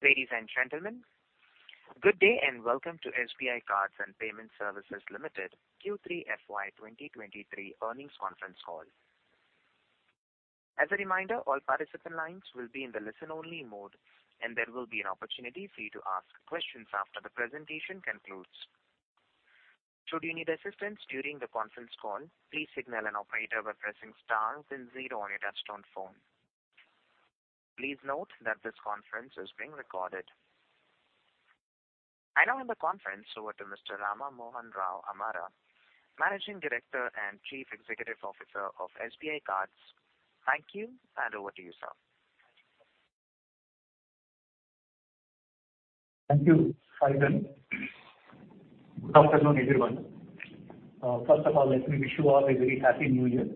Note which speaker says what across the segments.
Speaker 1: Ladies and gentlemen, good day and welcome to SBI Cards and Payment Services Limited Q3 FY 2023 earnings conference call. As a reminder, all participant lines will be in the listen-only mode, and there will be an opportunity for you to ask questions after the presentation concludes. Should you need assistance during the conference call, please signal an operator by pressing star then zero on your touchtone phone. Please note that this conference is being recorded. I now hand the conference over to Mr. Rama Mohan Rao Amara, Managing Director and Chief Executive Officer of SBI Cards. Thank you, and over to you, sir.
Speaker 2: Thank you, Simon. Good afternoon, everyone. First of all, let me wish you all a very happy new year.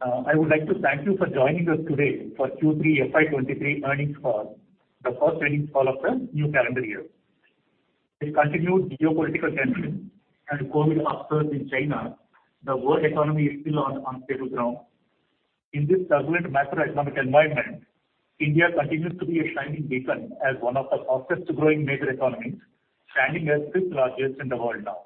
Speaker 2: I would like to thank you for joining us today for Q3 FY 2023 earnings call, the first earnings call of the new calendar year. With continued geopolitical tension and COVID upsurge in China, the world economy is still on unstable ground. In this turbulent macroeconomic environment, India continues to be a shining beacon as one of the fastest growing major economies, standing as fifth largest in the world now.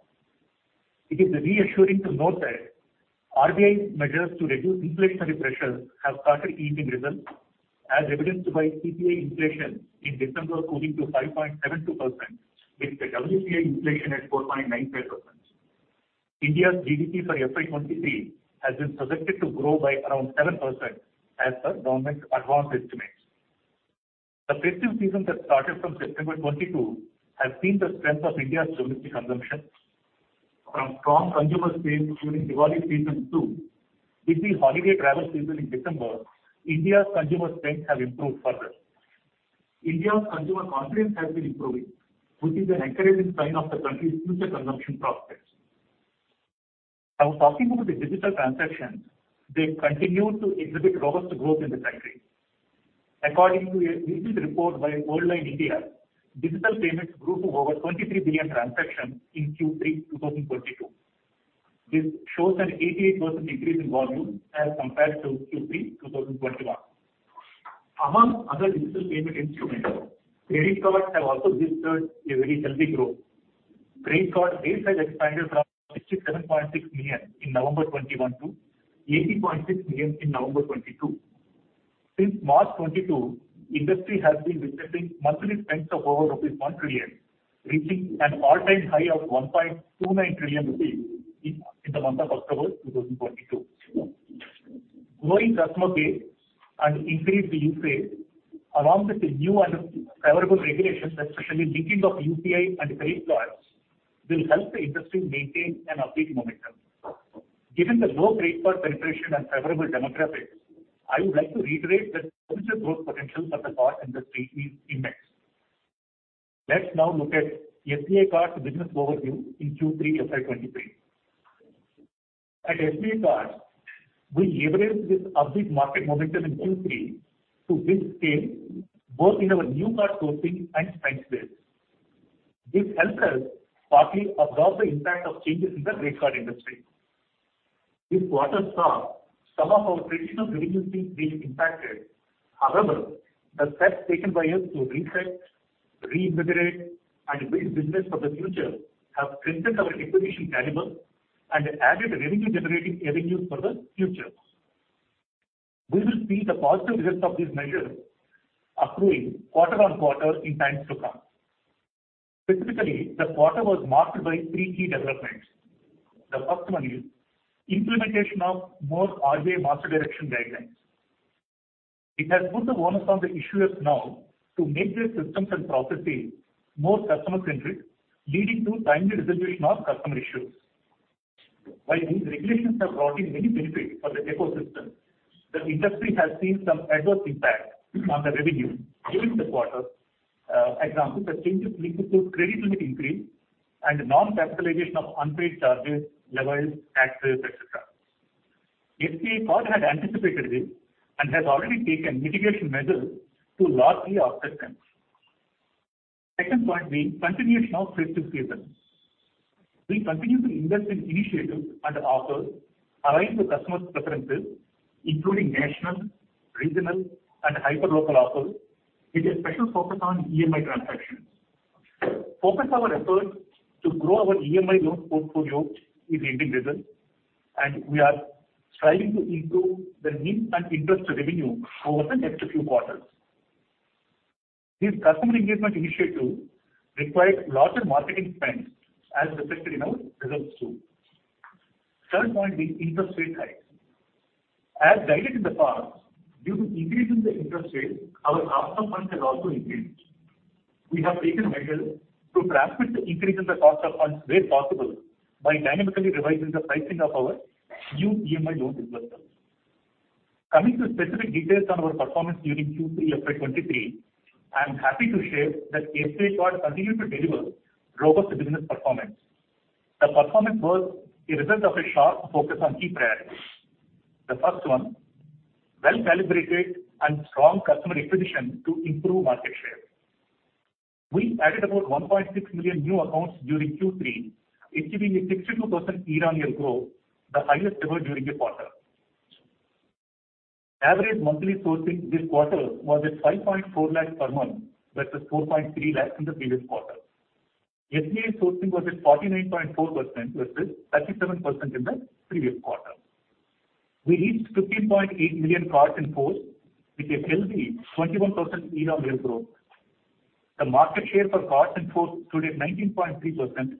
Speaker 2: It is reassuring to note that RBI's measures to reduce inflationary pressures have started yielding results, as evidenced by CPI inflation in December cooling to 5.72%, with the WPI inflation at 4.95%. India's GDP for FY 2023 has been projected to grow by around 7% as per government advanced estimates. The festive season that started from September 2022 has seen the strength of India's domestic consumption. From strong consumer spend during Diwali season two, with the holiday travel season in December, India's consumer spend have improved further. India's consumer confidence has been improving, which is an encouraging sign of the country's future consumption prospects. Talking about the digital transactions, they've continued to exhibit robust growth in the country. According to a recent report by Worldline India, digital payments grew to over 23 billion transactions in Q3 2022. This shows an 88% increase in volume as compared to Q3 2021. Among other digital payment instruments, credit cards have also registered a very healthy growth. Credit card base has expanded from 67.6 million in November 2021 to 80.6 million in November 2022. Since March 2022, industry has been witnessing monthly spends of over rupees 1 trillion, reaching an all-time high of 1.29 trillion rupees in the month of October 2022. Growing customer base and increased usage, along with the new and favorable regulations, especially linking of UPI and credit cards, will help the industry maintain an upbeat momentum. Given the low credit card penetration and favorable demographics, I would like to reiterate that future growth potential for the card industry is immense. Let's now look at SBI Card's business overview in Q3 FY 2023. At SBI Card, we leveraged this upbeat market momentum in Q3 to build scale, both in our new card sourcing and spend base. This helped us partly absorb the impact of changes in the credit card industry. This quarter saw some of our traditional revenue streams being impacted. However, the steps taken by us to reset, reinvigorate, and build business for the future have strengthened our acquisition caliber and added revenue generating avenues for the future. We will see the positive results of these measures accruing quarter on quarter in times to come. Specifically, the quarter was marked by three key developments. The first one is implementation of more RBI Master Direction guidelines. It has put the onus on the issuers now to make their systems and processes more customer centric, leading to timely resolution of customer issues. While these regulations have brought in many benefits for the ecosystem, the industry has seen some adverse impact on the revenue during the quarter. Example, the changes leading to credit limit increase and non-capitalization of unpaid charges, levies, taxes, etc. SBI Card had anticipated this and has already taken mitigation measures to largely offset them. Second point being continuation of festive season. We continue to invest in initiatives and offers aligned with customers' preferences, including national, regional and hyper local offers, with a special focus on EMI transactions. Focus our efforts to grow our EMI loan portfolio is yielding results, and we are striving to improve the NIM and interest revenue over the next few quarters. These customer engagement initiatives required larger marketing spends, as reflected in our results too. Third point being interest rate hikes. As guided in the past, due to increase in the interest rates, our cost of funds has also increased. We have taken measures to transmit the increase in the cost of funds where possible by dynamically revising the pricing of our new EMI loan disbursements. Coming to specific details on our performance during Q3 FY 2023, I am happy to share that SBI Card continued to deliver robust business performance. The performance was a result of a sharp focus on key priorities. The first one, well-calibrated and strong customer acquisition to improve market share. We added about 1.6 million new accounts during Q3, achieving a 62% year-on-year growth, the highest ever during a quarter. Average monthly sourcing this quarter was at 5.4 lakhs per month versus 4.3 lakhs in the previous quarter. SBI sourcing was at 49.4% versus 37% in the previous quarter. We reached 15.8 million cards in force with a healthy 21% year-on-year growth. The market share for cards in force stood at 19.3%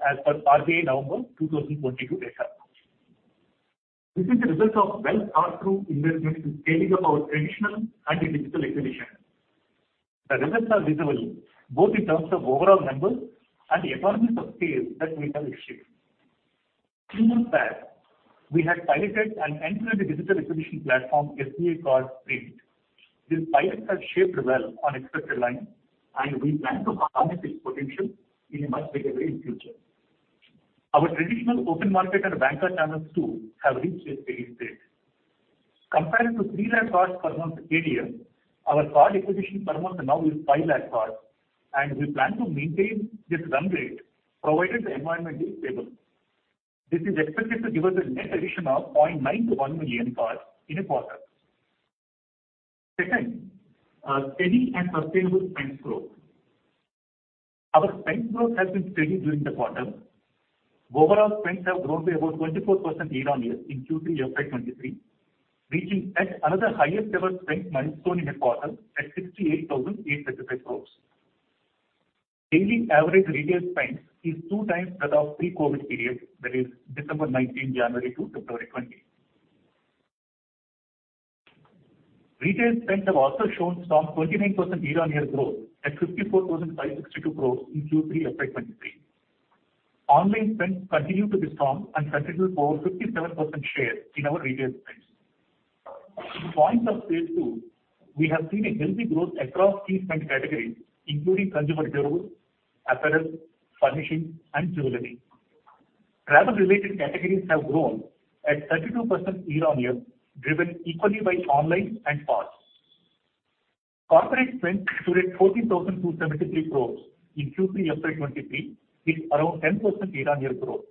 Speaker 2: as per RBI November 2022 data. This is the result of well thought through investments in scaling up our traditional and digital acquisition. The results are visible both in terms of overall numbers and the economies of scale that we have achieved. Two months back, we had piloted an entirely digital acquisition platform, SBI Card Sprint. This pilot has shaped well on expected lines, and we plan to harness its potential in a much bigger way in future. Our traditional open market and banker channels too have reached a steady state. Compared to 3 lakh cards per month a year, our card acquisition per month now is 5 lakh cards, and we plan to maintain this run rate provided the environment is stable. This is expected to give us a net addition of 0.9-1 million cards in a quarter. Second, steady and sustainable spend growth. Our spend growth has been steady during the quarter. Overall spends have grown by about 24% year-on-year in Q3 FY 2023, reaching at another highest ever spend milestone in a quarter at 68,875 crores. Daily average retail spends is 2x that of pre-COVID period, that is December 19, January 2 to February 20. Retail spends have also shown strong 29% year-on-year growth at 54,562 crores in Q3 FY 2023. Online spends continue to be strong and constitute over 57% share in our retail spends. In points of sale too, we have seen a healthy growth across key spend categories, including consumer durables, apparel, furnishings and jewelry. Travel related categories have grown at 32% year-on-year, driven equally by online and cards. Corporate spends stood at 14,273 crores in Q3 FY 2023 with around 10% year-on-year growth.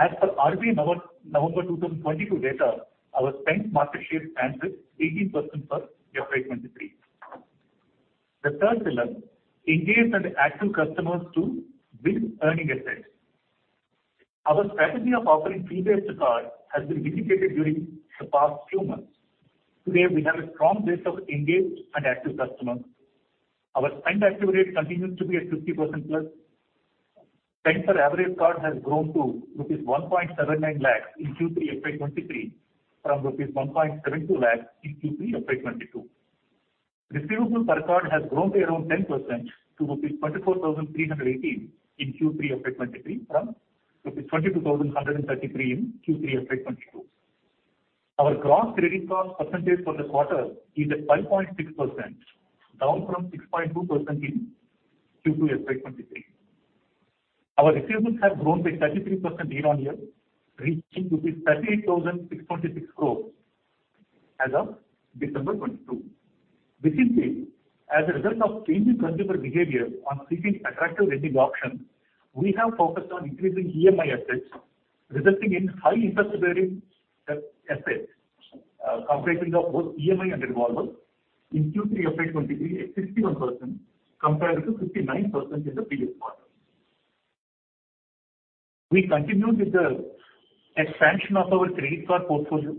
Speaker 2: As per RBI November 2022 data, our spend market share stands at 18% for FY 2023. The third pillar, engaged and active customers to build earning assets. Our strategy of offering free basic card has been vindicated during the past few months. Today, we have a strong base of engaged and active customers. Our spend activity continues to be at 50%+. Spend per average card has grown to rupees 1.79 lakhs in Q3 FY 2023 from rupees 1.72 lakhs in Q3 FY22. Receivable per card has grown by around 10% to rupees 24,318 in Q3 FY 2023 from rupees 22,133 in Q3 FY22. Our gross credit cost percentage for the quarter is at 5.6%, down from 6.2% in Q2 FY 2023. Our receivables have grown by 33% year-on-year, reaching rupees 38,626 crores as of December 2022. Recently, as a result of changing consumer behavior on seeking attractive lending options, we have focused on increasing EMI assets, resulting in high interest bearing assets, comprising of both EMI and revolver in Q3 FY 2023 at 61%, compared to 59% in the previous quarter. We continue with the expansion of our credit card portfolio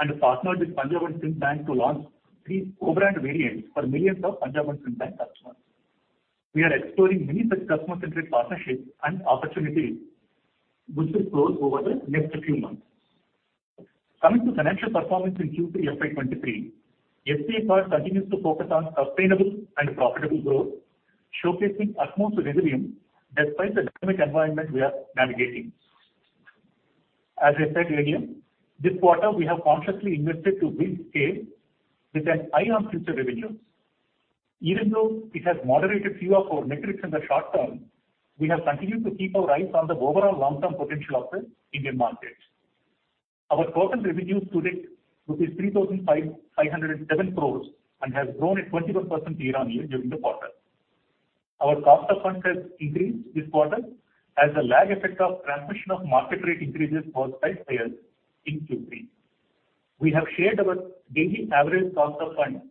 Speaker 2: and partnered with Punjab and Sind Bank to launch three co-brand variants for millions of Punjab and Sind Bank customers. We are exploring many such customer centric partnerships and opportunities which will flow over the next few months. Coming to financial performance in Q3 FY 2023, SBI Card continues to focus on sustainable and profitable growth, showcasing utmost resilience despite the dynamic environment we are navigating. As I said earlier, this quarter, we have consciously invested to build scale with an eye on future revenues. Even though it has moderated few of our metrics in the short term, we have continued to keep our eyes on the overall long-term potential of the Indian market. Our total revenues stood at 3,507 crores and has grown at 21% year-on-year during the quarter. Our cost of funds has increased this quarter as a lag effect of transmission of market rate increases caused by fails in Q3. We have shared our daily average cost of funds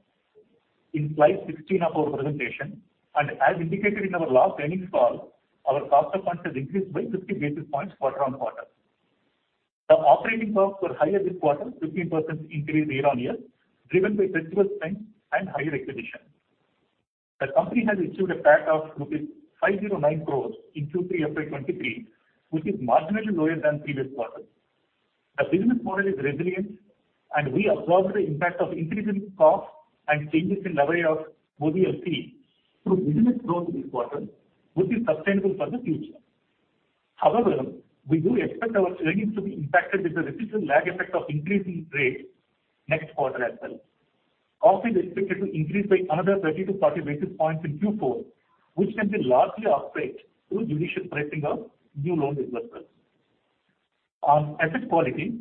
Speaker 2: in slide 16 of our presentation. As indicated in our last earnings call, our cost of funds has increased by 50 basis points quarter-on-quarter. The operating costs were higher this quarter, 15% increase year-on-year, driven by perpetual spend and higher acquisition. The company has issued a PAT of rupees 509 crores in Q3 FY 2023, which is marginally lower than previous quarter. The business model is resilient and we absorb the impact of increasing costs and changes in level of ECL through business growth this quarter, which is sustainable for the future. We do expect our earnings to be impacted with a residual lag effect of increasing rates next quarter as well. Cost is expected to increase by another 30-40 basis points in Q4, which can be largely offset through judicious pricing of new loan disbursements. On asset quality,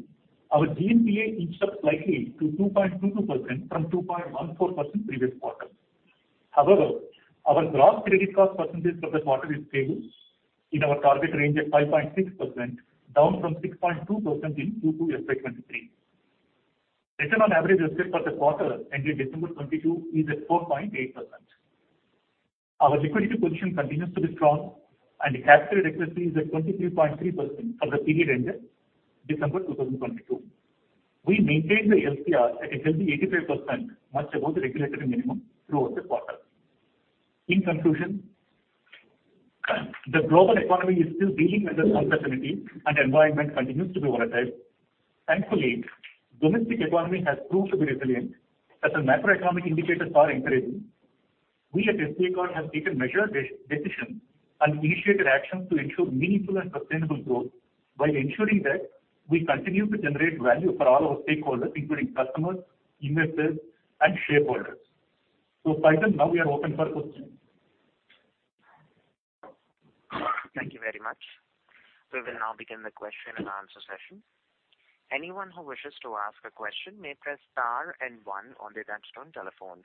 Speaker 2: our GNPA inched up slightly to 2.22% from 2.14% previous quarter. However, our gross credit cost percentage for the quarter is stable in our target range at 5.6%, down from 6.2% in Q2 FY 2023. Return on average assets for the quarter ending December 2022 is at 4.8%. Our liquidity position continues to be strong and the capital adequacy is at 23.3% for the period ended December 2022. We maintained the LCR at a healthy 85%, much above the regulatory minimum throughout the quarter. In conclusion, the global economy is still dealing with uncertainty and environment continues to be volatile. Thankfully, domestic economy has proved to be resilient as the macroeconomic indicators are encouraging. We at SBI Card have taken measured decisions and initiated actions to ensure meaningful and sustainable growth by ensuring that we continue to generate value for all our stakeholders, including customers, investors, and shareholders. Sujan, now we are open for questions.
Speaker 1: Thank you very much. We will now begin the question and answer session. Anyone who wishes to ask a question may press star and one on their touchtone telephone.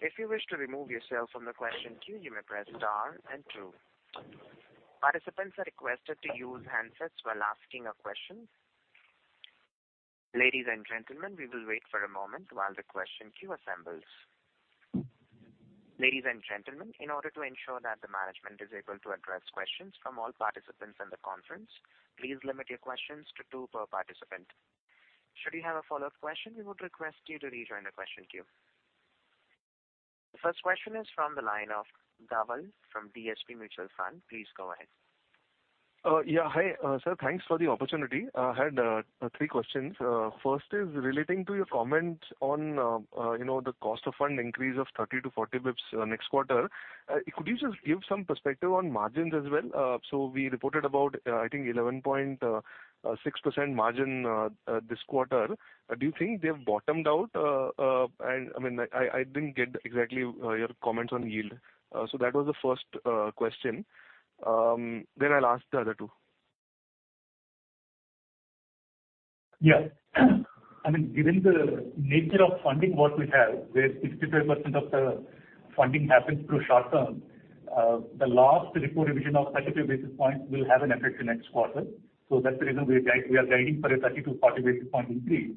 Speaker 1: If you wish to remove yourself from the question queue, you may press star and two. Participants are requested to use handsets while asking a question. Ladies and gentlemen, we will wait for a moment while the question queue assembles. Ladies and gentlemen, in order to ensure that the management is able to address questions from all participants in the conference, please limit your questions to two per participant. Should you have a follow-up question, we would request you to rejoin the question queue. The first question is from the line of Dhaval from DSP Mutual Fund. Please go ahead.
Speaker 3: Yeah. Hi. Sir, thanks for the opportunity. I had three questions. First is relating to your comment on, you know, the cost of fund increase of 30-40 basis points, next quarter. Could you just give some perspective on margins as well? We reported about, I think 11.6% margin, this quarter. Do you think they have bottomed out? And I mean, I didn't get exactly, your comments on yield. That was the first question. I'll ask the other two.
Speaker 2: Yeah. I mean, given the nature of funding what we have, where 65% of the funding happens through short term, the last repo revision of 32 basis points will have an effect in next quarter. That's the reason we are guiding for a 30-40 basis point increase.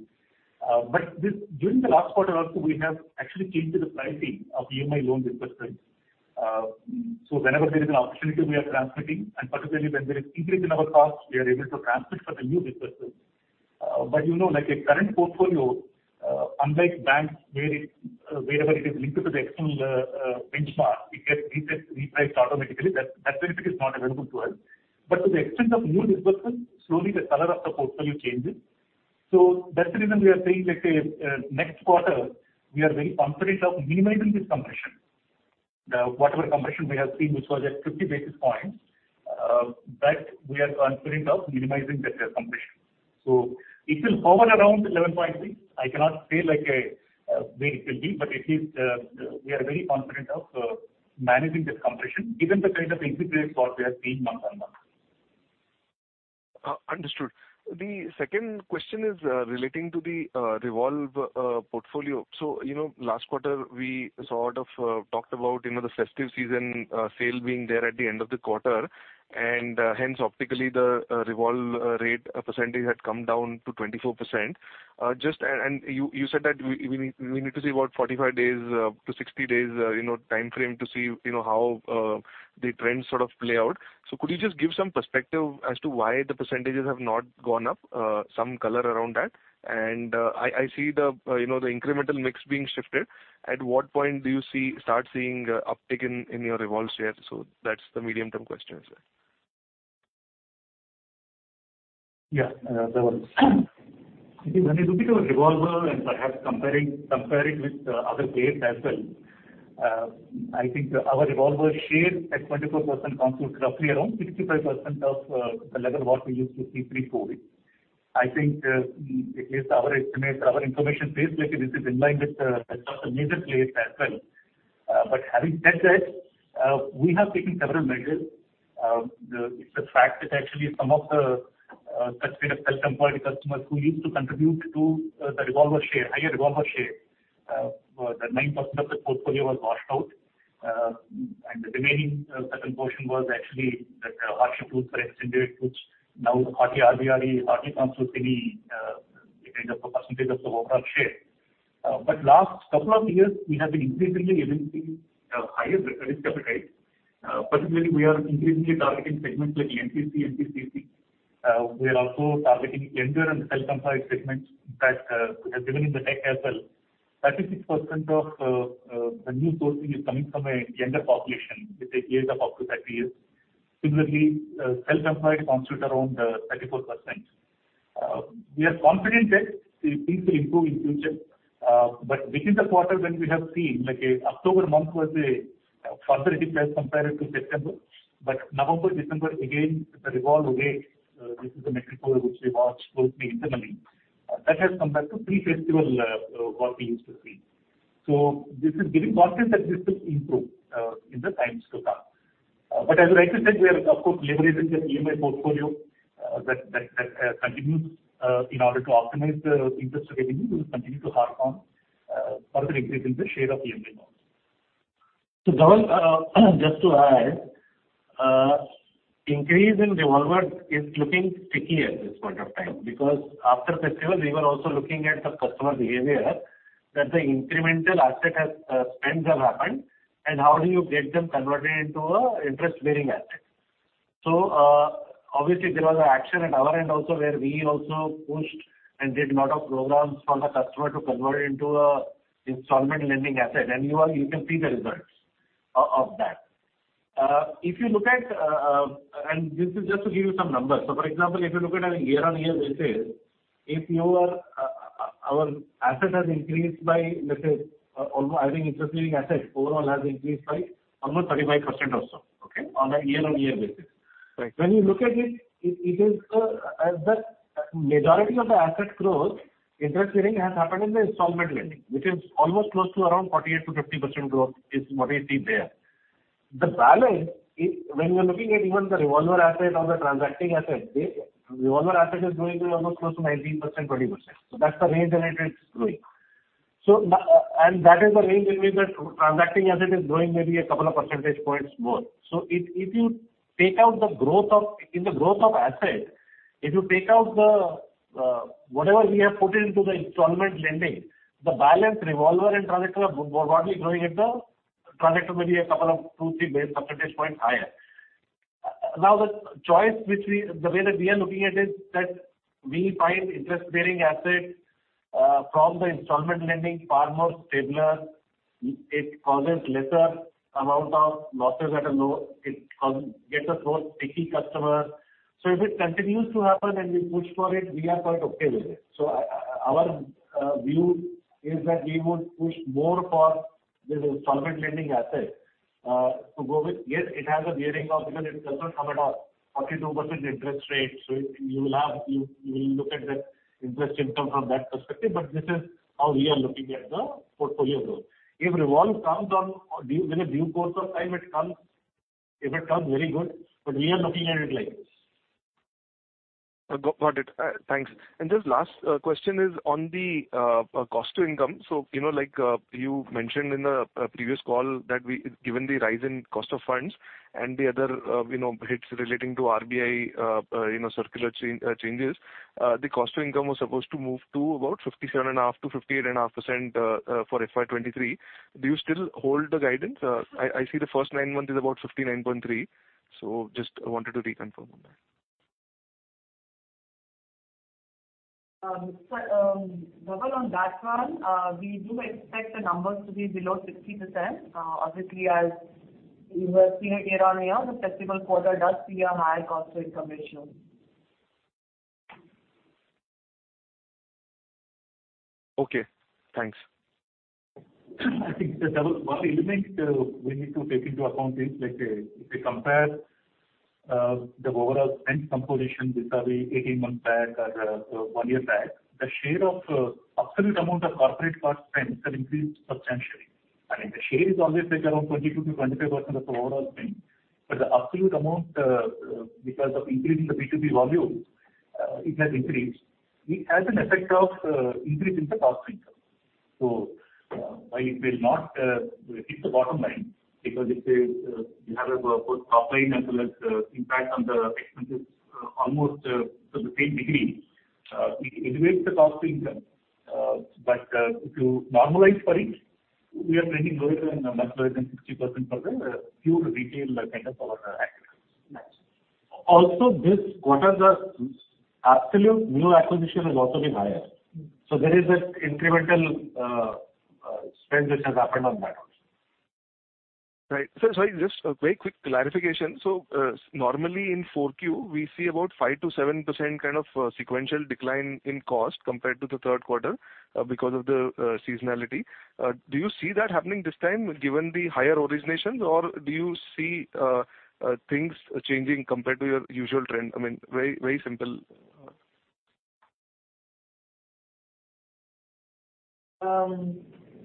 Speaker 2: This, during the last quarter also, we have actually changed the pricing of EMI loan disbursements. Whenever there is an opportunity, we are transmitting and particularly when there is increase in our costs, we are able to transmit for the new disbursements. You know, like a current portfolio, unlike banks where it, wherever it is linked to the external benchmark, it gets reset, repriced automatically. That benefit is not available to us. To the extent of new disbursements, slowly the color of the portfolio changes. That's the reason we are saying like, next quarter we are very confident of minimizing this compression. Whatever compression we have seen, which was at 50 basis points, that we are confident of minimizing that compression. It will hover around 11.3. I cannot say like, where it will be. At least, we are very confident of managing this compression given the kind of increase what we have seen month-on-month.
Speaker 3: Understood. The second question is relating to the revolve portfolio. You know, last quarter we sort of talked about, you know, the festive season sale being there at the end of the quarter and hence optically the revolve rate percentage had come down to 24%. You said that we need to see about 45 days-60 days, you know, timeframe to see, you know, how the trends sort of play out. Could you just give some perspective as to why the percentages have not gone up? Some color around that. I see the, you know, the incremental mix being shifted. At what point do you see, start seeing uptick in your revolve share? That's the medium term question, sir.
Speaker 2: Yeah, Dhaval. When you look at our revolver and perhaps comparing with other peers as well, I think our revolver share at 24% constitutes roughly around 65% of the level what we used to see pre-COVID. I think, at least our estimate, our information says like this is in line with sort of major players as well. Having said that, we have taken several measures. It's a fact that actually some of the that were the self-employed customers who used to contribute to the revolver share, higher revolver share, that 9% of the portfolio was washed out. The remaining certain portion was actually that hardship was extended, which now hardly constitutes any kind of a percentage of the overall share. Last couple of years, we have been increasingly lending higher risk appetite. Particularly, we are increasingly targeting segments like MPC, MPCC. We are also targeting younger and self-employed segments that we have given in the tech as well. 36% of the new sourcing is coming from a younger population with the age of up to 30 years. Similarly, self-employed constitute around 34%. We are confident that the things will improve in future. Within the quarter when we have seen like October month was a further decline compared to September, November, December again, the revolve rate, this is the metric for which we watch closely internally, that has come back to pre-festival, what we used to see.
Speaker 3: This is giving confidence that this will improve in the times to come. As Rajat said, we are of course leveraging the EMI portfolio that continues in order to optimize the interest revenue, we will continue to harp on further increasing the share of EMI loans.
Speaker 2: Dhaval, just to add, increase in revolver is looking stickier at this point of time because after festival we were also looking at the customer behavior that the incremental asset has, spends have happened and how do you get them converted into a interest-bearing asset. Obviously, there was action at our end also where we also pushed and did lot of programs for the customer to convert into a installment lending asset, and you can see the results of that. If you look at, and this is just to give you some numbers. For example, if you look at a year-on-year basis, if your, our asset has increased by, let's say, almost I think interest-bearing asset overall has increased by almost 35% or so, okay? On a year-on-year basis.
Speaker 3: Right.
Speaker 2: When you look at it is, as the majority of the asset growth interest bearing has happened in the installment lending, which is almost close to around 48%-50% growth is what is seen there. The balance is when you are looking at even the revolver asset or the transacting asset, the revolver asset is growing to almost close to 19%, 20%. That's the range that it is growing. Now, that is the range in which the transacting asset is growing maybe a couple of percentage points more. In the growth of asset, if you take out the whatever we have put into the installment lending, the balance revolver and transactor are broadly growing at the transactor maybe a couple of two, three base percentage points higher. The way that we are looking at is that we find interest-bearing asset from the installment lending far more stabler. It causes lesser amount of losses that are low. It gets us more sticky customers. If it continues to happen and we push for it, we are quite okay with it. Our view is that we would push more for this installment lending asset to go with. Yes, it has a gearing cost because it doesn't come at a 42% interest rate, so you will look at the interest income from that perspective, but this is how we are looking at the portfolio growth. If revolve comes on, or during the due course of time it comes, if it comes very good, but we are looking at it like this.
Speaker 3: Got it. Thanks. Just last question is on the cost to income. You know, like, you mentioned in the previous call that given the rise in cost of funds and the other, you know, hits relating to RBI, you know, circular change changes, the cost to income was supposed to move to about 57.5%-58.5% for FY 2023. Do you still hold the guidance? I see the first nine months is about 59.3. Just wanted to reconfirm on that.
Speaker 4: Dhaval, on that one, we do expect the numbers to be below 60%. Obviously as you were seeing year-over-year, the festival quarter does see a higher cost to income ratio.
Speaker 3: Okay, thanks.
Speaker 2: I think that one element we need to take into account is, let's say if we compare the overall spend composition vis-a-vis 18 months back or one year back, the share of absolute amount of corporate card spend has increased substantially. I mean, the share is always like around 22%-25% of the overall spend. The absolute amount, because of increase in the B2B volume, it has increased. It has an effect of increase in the cost to income. While it will not hit the bottom line because if the you have both top line as well as impact on the expenses almost to the same degree, it elevates the cost to income. If you normalize for it, we are trending lower than, much lower than 60% for the pure retail kind of our acquisitions.
Speaker 3: Got you.
Speaker 2: This quarter the absolute new acquisition has also been higher. There is that incremental spend which has happened on that also.
Speaker 3: Right. Sir, sorry, just a very quick clarification. Normally in Q4, we see about 5%-7% kind of sequential decline in cost compared to Q3 because of the seasonality. Do you see that happening this time given the higher originations, or do you see things changing compared to your usual trend? I mean, very, very simple.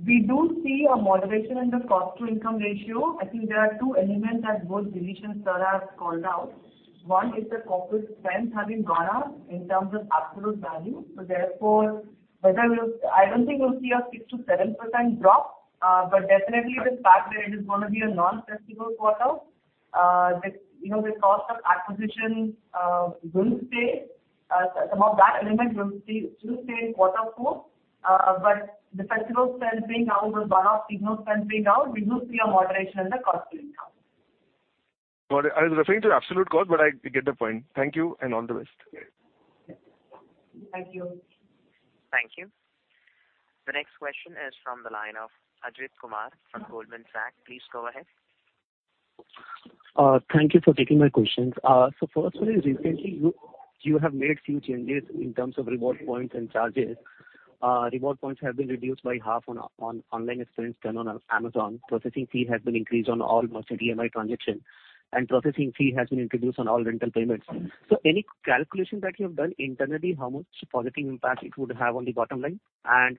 Speaker 4: We do see a moderation in the cost to income ratio. I think there are two elements that both Dilip and sir have called out. One is the corporate spends have been gone up in terms of absolute value. Therefore whether we'll I don't think we'll see a 6%-7% drop. Definitely the fact that it is gonna be a non-festival quarter, the, you know, the cost of acquisition, wouldn't stay, some of that element will stay, still stay in quarter four. The festival spend being now with one-off signal spend being down, we do see a moderation in the cost to income.
Speaker 3: Got it. I was referring to absolute cost, but I get the point. Thank you and all the best.
Speaker 2: Okay.
Speaker 4: Thank you.
Speaker 1: Thank you. The next question is from the line of Ajit Kumar from Goldman Sachs. Please go ahead.
Speaker 5: Thank you for taking my questions. First one is recently you have made few changes in terms of reward points and charges. Reward points have been reduced by half on online spends done on Amazon. Processing fee has been increased on all mostly EMI transactions, and processing fee has been introduced on all rental payments. Any calculation that you have done internally, how much positive impact it would have on the bottom line?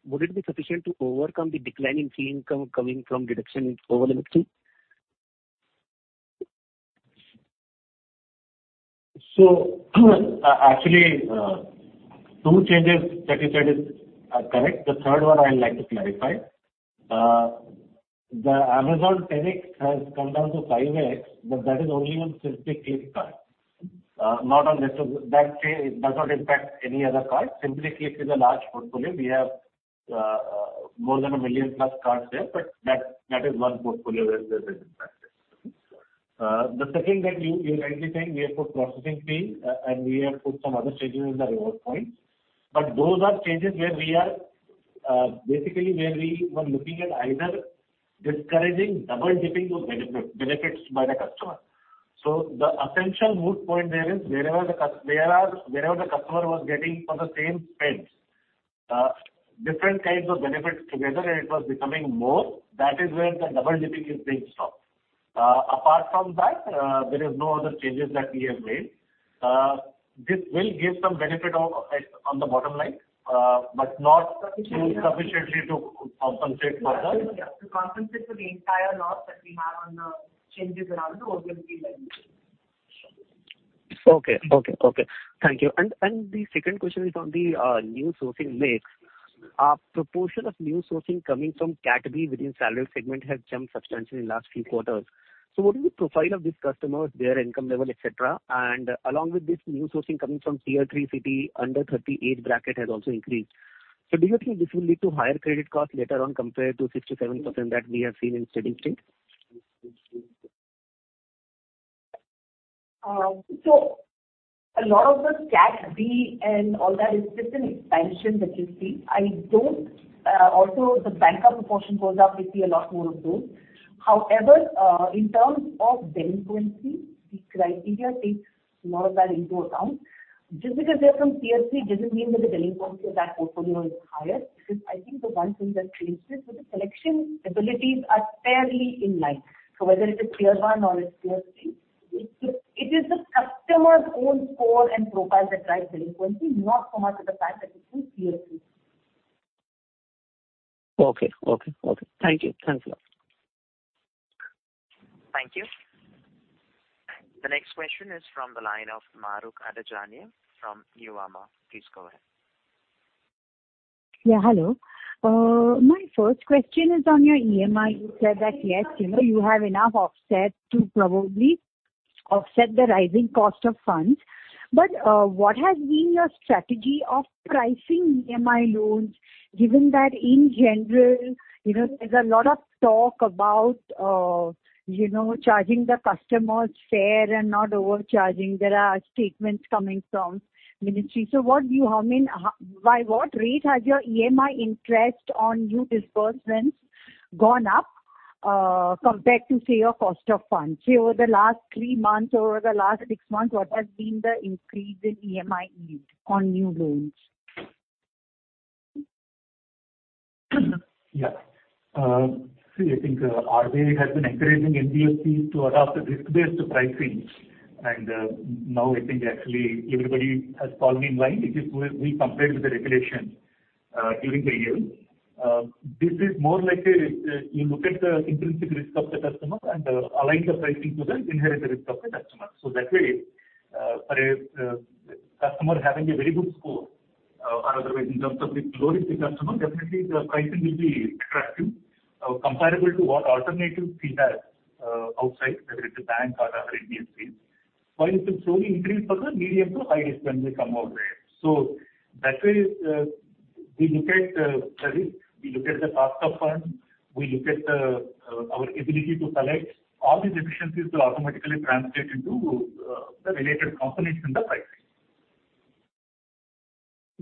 Speaker 5: Would it be sufficient to overcome the decline in fee income coming from reduction in overlimit fee?
Speaker 2: Actually, two changes that you said are correct. The third one I'd like to clarify. The Amazon Pay next has come down to 5x, but that is only on SimplyCLICK card. Not on rest of... That change does not impact any other card. SimplyCLICK is a large portfolio. We have more than a million-plus cards there, but that is one portfolio where there's an impact. The second that you rightly saying we have put processing fee and we have put some other changes in the reward points. Those are changes where we are basically where we were looking at either discouraging double-dipping of benefits by the customer. The essential moot point there is wherever. wherever the customer was getting for the same spends, different kinds of benefits together, and it was becoming more, that is where the double-dipping is being stopped. Apart from that, there is no other changes that we have made. This will give some benefit on the bottom line, but not sufficiently to compensate for that.
Speaker 4: Yeah. To compensate for the entire loss that we have on the changes around the reward points.
Speaker 5: Okay. Thank you. The second question is on the new sourcing mix. Proportion of new sourcing coming from category within salaried segment has jumped substantially in last few quarters. What is the profile of these customers, their income level, et cetera? Along with this new sourcing coming from Tier 3 city under 30 age bracket has also increased. Do you think this will lead to higher credit cost later on compared to 67% that we have seen in steady state?
Speaker 4: A lot of the Category B and all that is just an expansion that you see. The banker proportion goes up, we see a lot more of those. However, in terms of delinquency, the criteria takes more of that into account. Just because they're from tier three doesn't mean that the delinquency of that portfolio is higher. I think the one thing that changed is that the collection abilities are fairly in line. Whether it is tier one or it is tier three, it is the customer's own score and profile that drives delinquency, not so much the fact that it is tier three.
Speaker 5: Okay. Thank you. Thanks a lot.
Speaker 1: Thank you. The next question is from the line of Mahrukh Adajania from Nuvama. Please go ahead.
Speaker 6: Yeah, hello. My first question is on your EMI. You said that, yes, you know, you have enough offset to probably offset the rising cost of funds. What has been your strategy of pricing EMI loans, given that in general, you know, there's a lot of talk about, you know, charging the customers fair and not overcharging. There are statements coming from ministry. How, I mean, by what rate has your EMI interest on new disbursements gone up, compared to, say, your cost of funds? Say, over the last three months or over the last six months, what has been the increase in EMI yield on new loans?
Speaker 2: See, I think RBI has been encouraging NBFCs to adopt a risk-based pricing. Now I think actually everybody has fallen in line. It is we compared with the regulation during the year. This is more like. You look at the intrinsic risk of the customer and align the pricing to the inherent risk of the customer. That way, for a customer having a very good score or otherwise in terms of the low-risk customer, definitely the pricing will be attractive, comparable to what alternatives he has outside, whether it's a bank or other NBFCs. While it will slowly increase for the medium to high risk when they come our way. That way, we look at the risk, we look at the cost of funds, we look at the, our ability to collect. All these efficiencies will automatically translate into the related compensation, the pricing.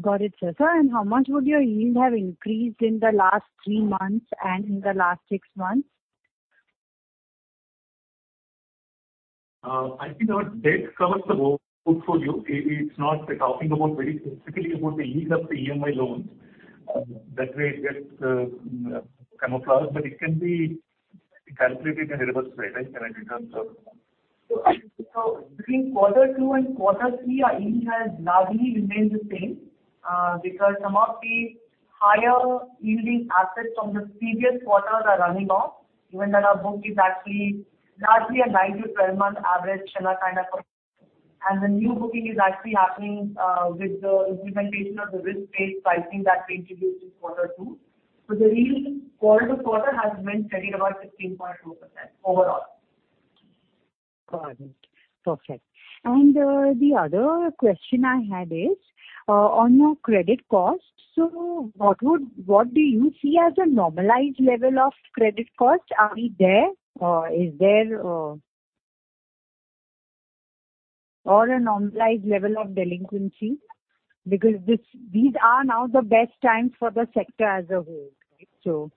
Speaker 6: Got it, sir. How much would your yield have increased in the last three months and in the last six months?
Speaker 2: I think our debt covers the whole portfolio. It's not. We're talking about very specifically about the yield of the EMI loans. That way it gets camouflaged, but it can be calculated in a reverse way, right? Can I check on that?
Speaker 4: Between quarter two and quarter three, our yield has largely remained the same because some of the higher yielding assets from the previous quarter are running off, given that our book is actually largely a 9-12 month average CHLA kind of. The new booking is actually happening with the implementation of the risk-based pricing that we introduced in quarter two. The yield quarter to quarter has been steady at about 15.0% overall.
Speaker 6: Got it. Perfect. The other question I had is on your credit cost. What do you see as a normalized level of credit cost? Are we there or is there Or a normalized level of delinquency? Because this, these are now the best times for the sector as a whole.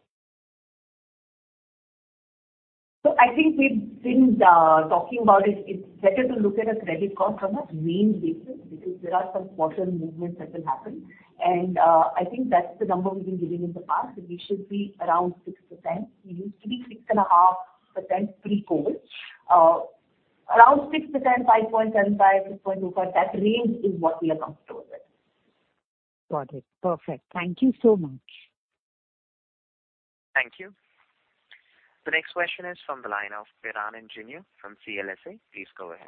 Speaker 4: I think we've been talking about it. It's better to look at a credit cost on a mean basis because there are some quarter movements that will happen. I think that's the number we've been giving in the past, that we should be around 6%. We used to be 6.5% pre-COVID. Around 6%, 5.75%, 6.05%. That range is what we are comfortable with.
Speaker 6: Got it. Perfect. Thank you so much.
Speaker 1: Thank you. The next question is from the line of Piran Engineer from CLSA. Please go ahead.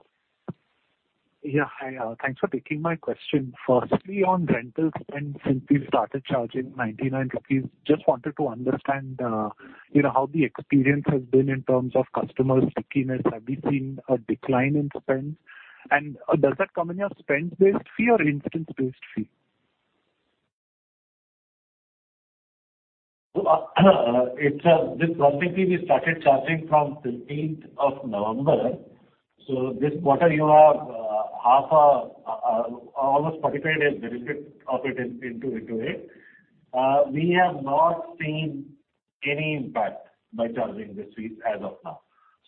Speaker 7: Yeah, hi, thanks for taking my question. Firstly, on rentals and since we started charging 99 rupees, just wanted to understand, you know, how the experience has been in terms of customer stickiness. Have you seen a decline in spend? Does that come in your spend-based fee or instance-based fee?
Speaker 2: It's this monthly fee we started charging from the 8th of November. This quarter you have half a almost 45 days benefit of it into it. We have not seen any impact by charging this fee as of now.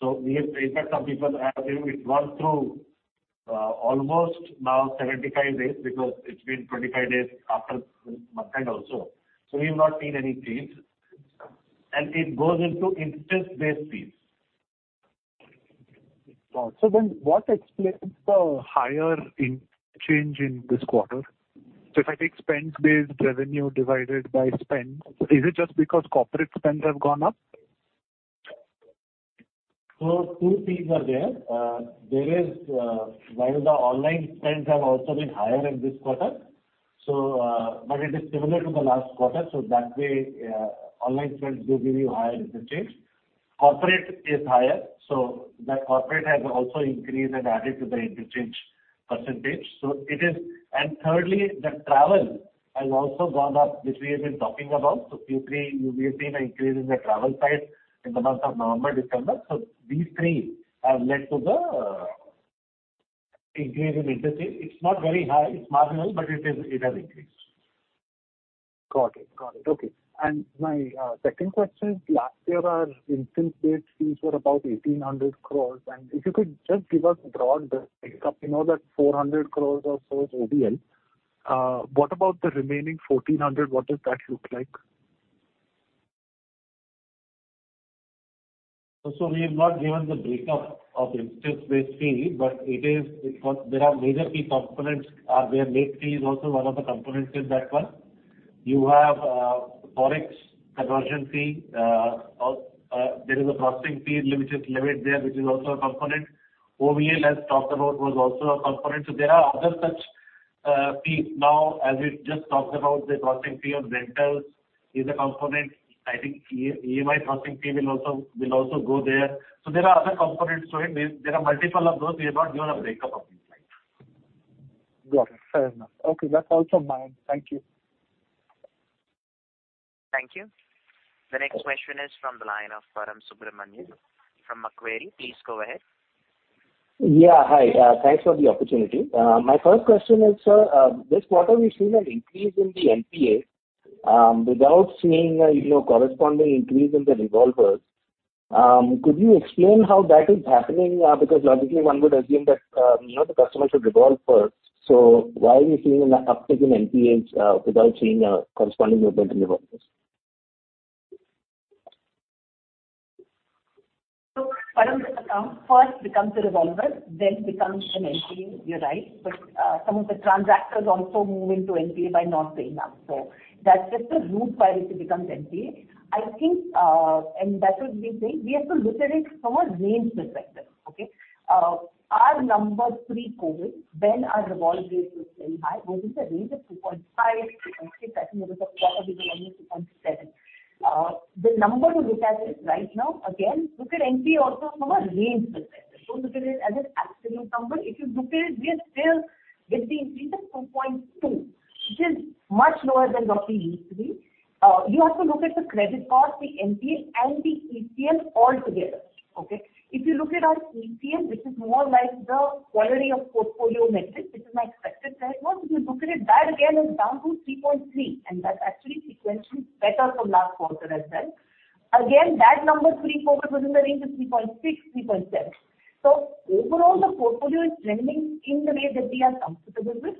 Speaker 2: In fact, some people have been gone through almost now 75 days because it's been 25 days after month end also. We've not seen any change. It goes into instance-based fees.
Speaker 7: What explains the higher in change in this quarter? If I take spend-based revenue divided by spend, is it just because corporate spends have gone up?
Speaker 2: Two fees are there. There is one of the online spends have also been higher in this quarter, but it is similar to the last quarter. That way, online spends will give you higher interchange. Corporate is higher, so that corporate has also increased and added to the interchange percentage. Thirdly, the travel has also gone up, which we have been talking about. Q3, you may have seen an increase in the travel side in the months of November, December. These three have led to the increase in interchange. It's not very high, it's marginal, but it has increased.
Speaker 7: Got it. Okay. My second question, last year our instance-based fees were about 1,800 crores. If you could just give us broad breakdown. We know that 400 crores or so is OVL. What about the remaining 1,400 crores? What does that look like?
Speaker 2: We have not given the breakup of instance-based fee, but it was. They have major fee components. Their late fee is also one of the components in that one. You have Forex conversion fee. There is a processing fee which is levied there, which is also a component. OVL, as talked about, was also a component. There are other such fees. As we just talked about, the processing fee on rentals is a component. I think E-EMI processing fee will also go there. There are other components to it. There are multiple of those. We have not given a breakup of these items.
Speaker 7: Got it. Fair enough. Okay, that's all from my end. Thank you.
Speaker 1: Thank you. The next question is from the line of Param Subramanian from Macquarie. Please go ahead.
Speaker 8: Yeah. Hi. Thanks for the opportunity. My first question is, sir, this quarter we've seen an increase in the NPA, without seeing, you know, corresponding increase in the revolvers. Could you explain how that is happening? Because logically one would assume that, you know, the customer should revolve first. Why are we seeing an uptick in NPAs, without seeing a corresponding uptick in revolvers?
Speaker 4: Param, first becomes a revolver, then becomes an NPA. You're right. Some of the transactors also move into NPA by not paying up. That's just the route by which it becomes NPA. I think, and that's what we think. We have to look at it from a range perspective, okay? Our numbers pre-COVID, when our revolve rate was very high, was in the range of 2.5%-2.6%. I think in the fourth quarter we were only 2.7%. The number to look at is right now, again, look at NPA also from a range perspective. Don't look at it as an absolute number. If you look at it, we are still with the increase of 2.2%, which is much lower than what we used to be. You have to look at the credit card, the NPA and the ECL all together. Okay? If you look at our ECL, which is more like the quality of portfolio metric, which is my expected credit loss, if you look at it, that again is down to 3.3%, and that's actually sequentially better from last quarter as well. Again, that number pre-COVID was in the range of 3.6%-3.7%. Overall the portfolio is trending in the way that we are comfortable with.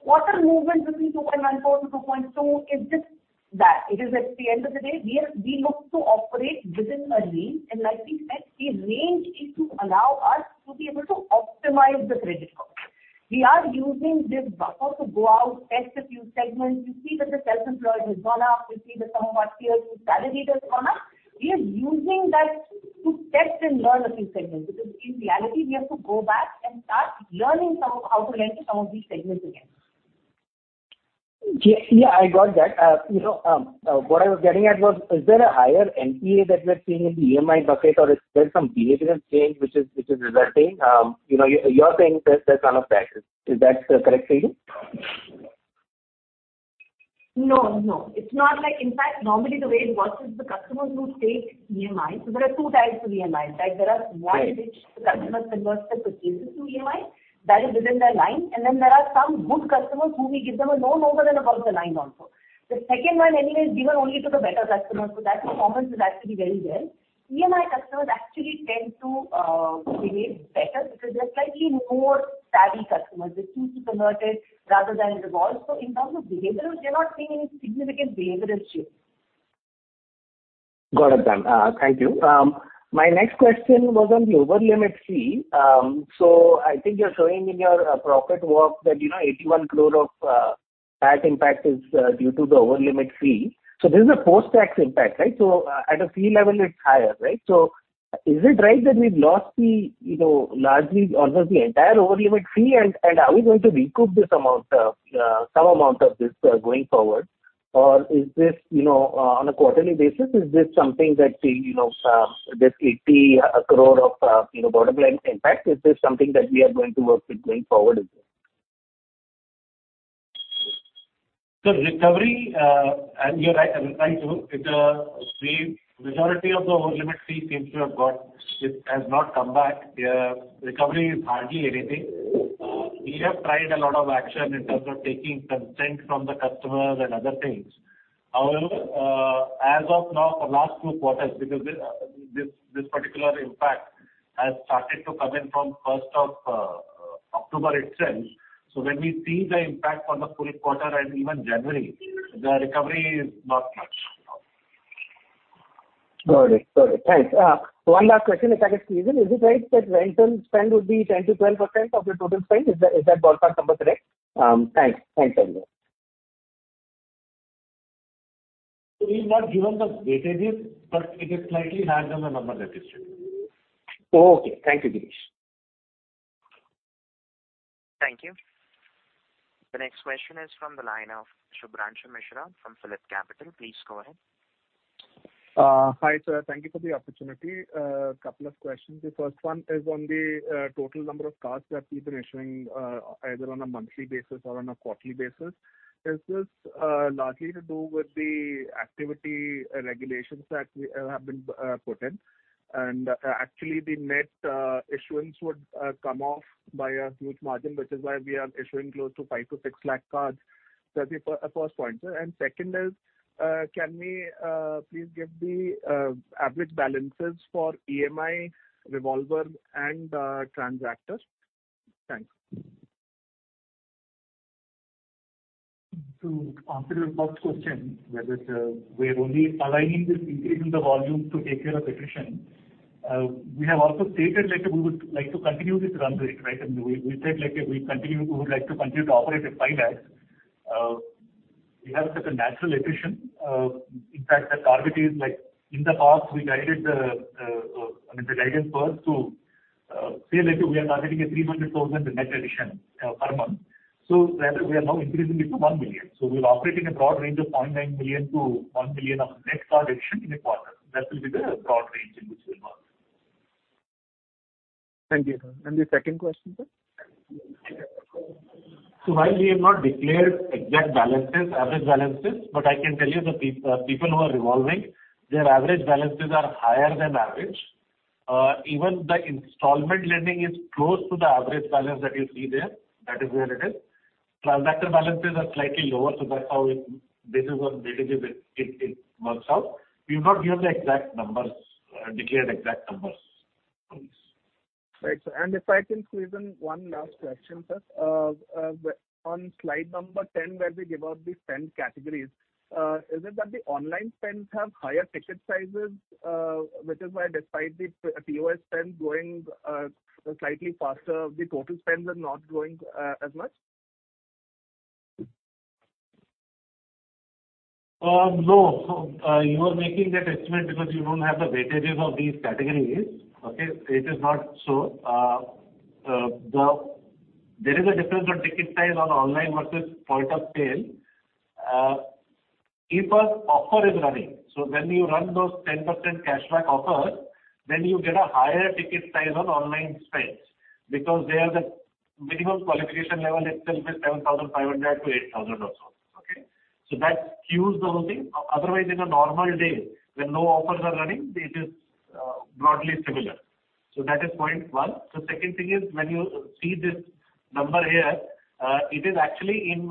Speaker 4: Quarter movement between 2.14%-2.2% is just that. It is at the end of the day, we look to operate within a range. Like we said, the range is to allow us to be able to optimize the credit card. We are using this buffer to go out, test a few segments. You see that the self-employed has gone up. You see that some of our Tier 2 salaried has gone up. We are using that to test and learn a few segments, because in reality we have to go back and start learning some of how to lend to some of these segments again.
Speaker 8: Yeah, I got that. you know, what I was getting at was, is there a higher NPA that we're seeing in the EMI bucket or is there some behavioral change which is resulting? you know, you're saying that there's none of that. Is that correct reading?
Speaker 4: No, it's not like. In fact, normally the way it works is the customers who take EMIs. There are two types of EMIs, right? There are one which the customers convert their purchases to EMI. That is within their line. There are some good customers who we give them a loan over and above the line also. The second one anyway is given only to the better customers. That performance is actually very well. EMI customers actually tend to behave better because they're slightly more savvy customers. They choose to convert it rather than revolve. In terms of behavioral, we are not seeing any significant behavioral shift.
Speaker 8: Got it done. Thank you. My next question was on the over-limit fee. I think you're showing in your profit walk that, you know, 81 crore of. Tax impact is due to the over-limit fee. This is a post-tax impact, right? At a fee level it's higher, right? Is it right that we've lost the, you know, largely almost the entire over-limit fee? Are we going to recoup this amount of some amount of this going forward? Is this, you know, on a quarterly basis, is this something that the, you know, this 80 crore of, you know, bottom-line impact, is this something that we are going to work with going forward as well?
Speaker 2: Recovery, and you're right, I will try to. Majority of the over-limit fee seems to have got, it has not come back. Yeah, recovery is hardly anything. We have tried a lot of action in terms of taking consent from the customers and other things. However, as of now for last two quarters, because this particular impact has started to come in from first of October itself. When we see the impact for the full quarter and even January, the recovery is not much.
Speaker 8: Got it. Thanks. One last question, if I can squeeze in. Is it right that rental spend would be 10%-12% of your total spend? Is that ballpark number correct? Thanks.
Speaker 2: Thanks, Param. We've not given the weightages, but it is slightly larger than the number that you said.
Speaker 8: Oh, okay. Thank you, Girish.
Speaker 1: Thank you. The next question is from the line of Shubhranshu Mishra from PhillipCapital. Please go ahead.
Speaker 9: Hi, sir. Thank you for the opportunity. Couple of questions. The first one is on the total number of cards that you've been issuing, either on a monthly basis or on a quarterly basis. Is this largely to do with the activity regulations that we have been put in? Actually the net issuance would come off by a huge margin, which is why we are issuing close to 5-6 lakh cards. That's the first point, sir. Second is, can we please give the average balances for EMI revolver and transactors? Thanks.
Speaker 2: To answer your first question, whether it's, we're only aligning this increase in the volume to take care of attrition. We have also stated like we would like to continue this run rate, right? We said like we would like to continue to operate at 5 lakhs. We have such a natural attrition. In fact the target is like in the past we guided the, I mean, the guidance was to say like we are targeting a 300,000 net addition per month. Rather we are now increasing it to 1 million. We'll operate in a broad range of 0.9 million-1 million of net card addition in a quarter. That will be the broad range in which we'll work.
Speaker 9: Thank you. The second question, sir?
Speaker 2: While we have not declared exact balances, average balances, but I can tell you the people who are revolving, their average balances are higher than average. Even the installment lending is close to the average balance that you see there. That is where it is. Transactor balances are slightly lower, so that's how this is what weightage it works out. We've not given the exact numbers, declared exact numbers on this.
Speaker 9: Right. And if I can squeeze in one last question, sir. On slide number 10, where we give out the spend categories, is it that the online spends have higher ticket sizes, which is why despite the POS spend growing, slightly faster, the total spends are not growing, as much?
Speaker 2: No. You are making that estimate because you don't have the weightages of these categories. Okay? It is not so. There is a difference on ticket size on online versus point of sale. If an offer is running, when you run those 10% cashback offers, then you get a higher ticket size on online spends because there the minimum qualification level itself is 7,500-8,000 or so. Okay? That skews the whole thing. Otherwise, in a normal day when no offers are running, it is broadly similar. That is point 1. Second thing is when you see this number here, it is actually in...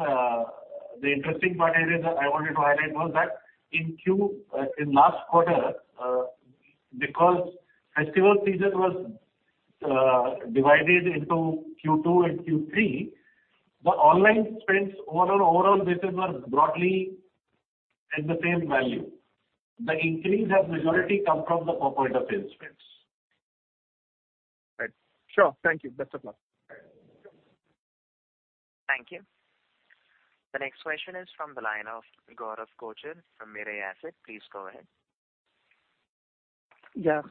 Speaker 2: The interesting part here is that I wanted to highlight was that in Q, in last quarter, because festival season was, divided into Q2 and Q3, the online spends on an overall basis are broadly at the same value. The increase has majority come from the point of sale spends.
Speaker 9: Right. Sure. Thank you. That's enough.
Speaker 1: Thank you. The next question is from the line of Gaurav Kochhar from Mirae Asset. Please go ahead.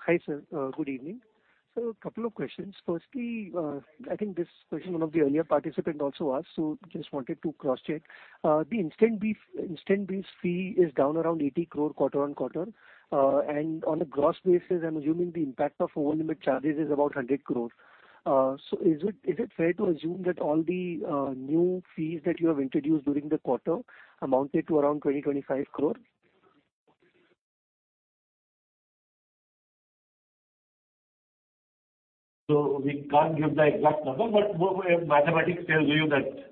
Speaker 10: Hi, sir. Good evening. Couple of questions. Firstly, I think this question one of the earlier participant also asked, just wanted to cross-check. The Interest Reversal fee is down around 80 crore quarter-on-quarter. And on a gross basis, I'm assuming the impact of over-limit charges is about 100 crore. Is it fair to assume that all the new fees that you have introduced during the quarter amounted to around 20 crore-25 crore?
Speaker 2: We can't give the exact number, but what mathematics tells you that.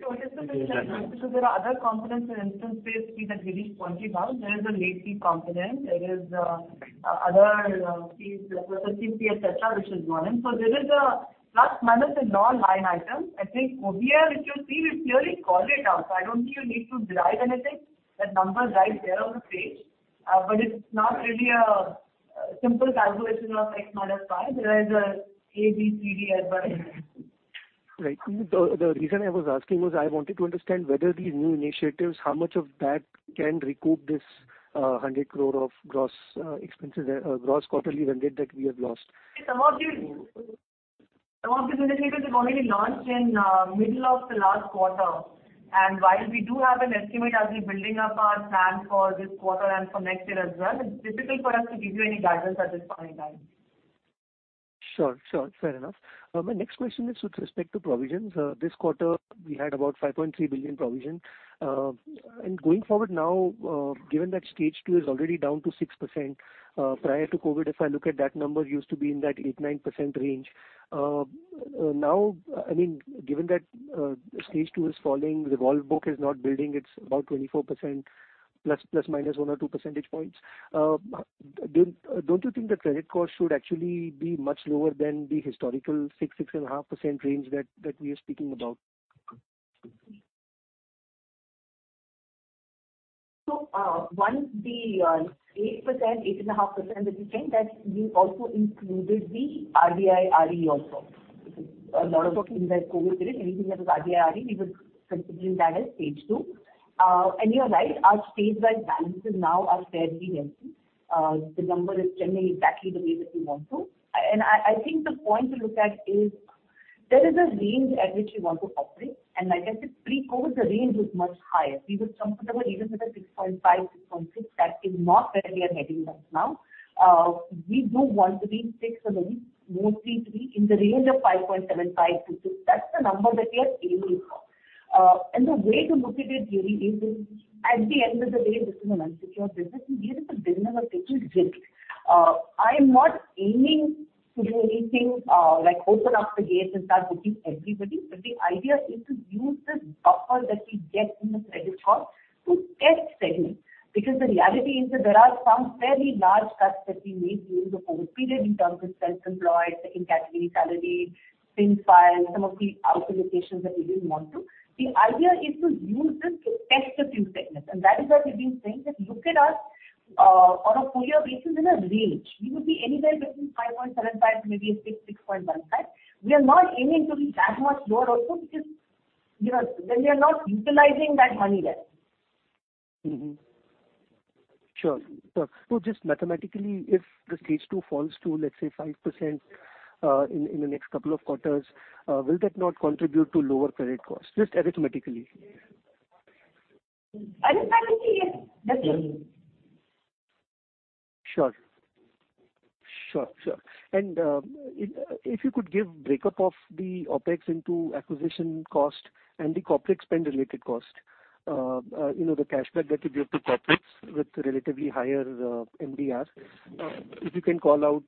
Speaker 4: What is the breakdown? Because there are other components to Interest Reversal fee that released INR 20 now. There is a late fee component. There is other fees, processing fee, et cetera, which has gone in. There is a plus minus, a non-line item. I think OBR, if you see, we've clearly called it out. I don't think you need to derive anything. That number is right there on the page. but it's not really a simple calculation of X minus Y, whereas, A, B, C, D add one another.
Speaker 10: Right. The reason I was asking was I wanted to understand whether these new initiatives, how much of that can recoup this 100 crore of gross expenses, gross quarterly revenue that we have lost.
Speaker 4: Some of these initiatives have already launched in middle of the last quarter. While we do have an estimate as we're building up our plan for this quarter and for next year as well, it's difficult for us to give you any guidance at this point in time.
Speaker 10: Sure. Fair enough. My next question is with respect to provisions. This quarter we had about 5.3 billion provision. Going forward now, given that stage two is already down to 6%, prior to COVID, if I look at that number used to be in that 8%-9% range. Now, I mean, given that stage two is falling, the vault book is not building, it's about 24% plus/minus 1 or 2 percentage points. Don't you think the credit cost should actually be much lower than the historical 6%-6.5% range that we are speaking about?
Speaker 4: One, the 8%, 8.5% that you think that we've also included the RDI, ROE also. A lot of what came by COVID is anything that is RDI, ROE, we were considering that as stage two. You're right, our stage wide balances now are fairly healthy. The number is generally exactly the way that we want to. I think the point to look at is there is a range at which we want to operate, and like I said, pre-COVID, the range was much higher. We were comfortable even with a 6.5%, 6.6%. That is not where we are heading right now. We do want to be 6% and then mostly to be in the range of 5.7%, 5%, 6%, 6%. That's the number that we are aiming for. The way to look at it really is at the end of the day, this is an unsecured business, and here is a business which will dip. I'm not aiming to do anything like open up the gates and start looking everybody. The idea is to use this buffer that we get in the credit card to test segments. The reality is that there are some fairly large cuts that we made during the COVID period in terms of self-employed, in category salaried, PIN codes, some of the outer locations that we didn't want to. The idea is to use this to test a few segments, and that is why we've been saying that look at us on a full year basis in a range. We would be anywhere between 5.75% to maybe a 6%, 6.15%. We are not aiming to be that much lower also because, you know, then we are not utilizing that money there.
Speaker 10: Sure. Just mathematically, if the stage two falls to, let's say, 5%, in the next couple of quarters, will that not contribute to lower credit costs? Just arithmetically.
Speaker 4: Arithmetically, yes. Definitely.
Speaker 10: Sure. If you could give break up of the OpEx into acquisition cost and the corporate spend related cost, you know, the cash back that you give to corporates with relatively higher MDRs. If you can call out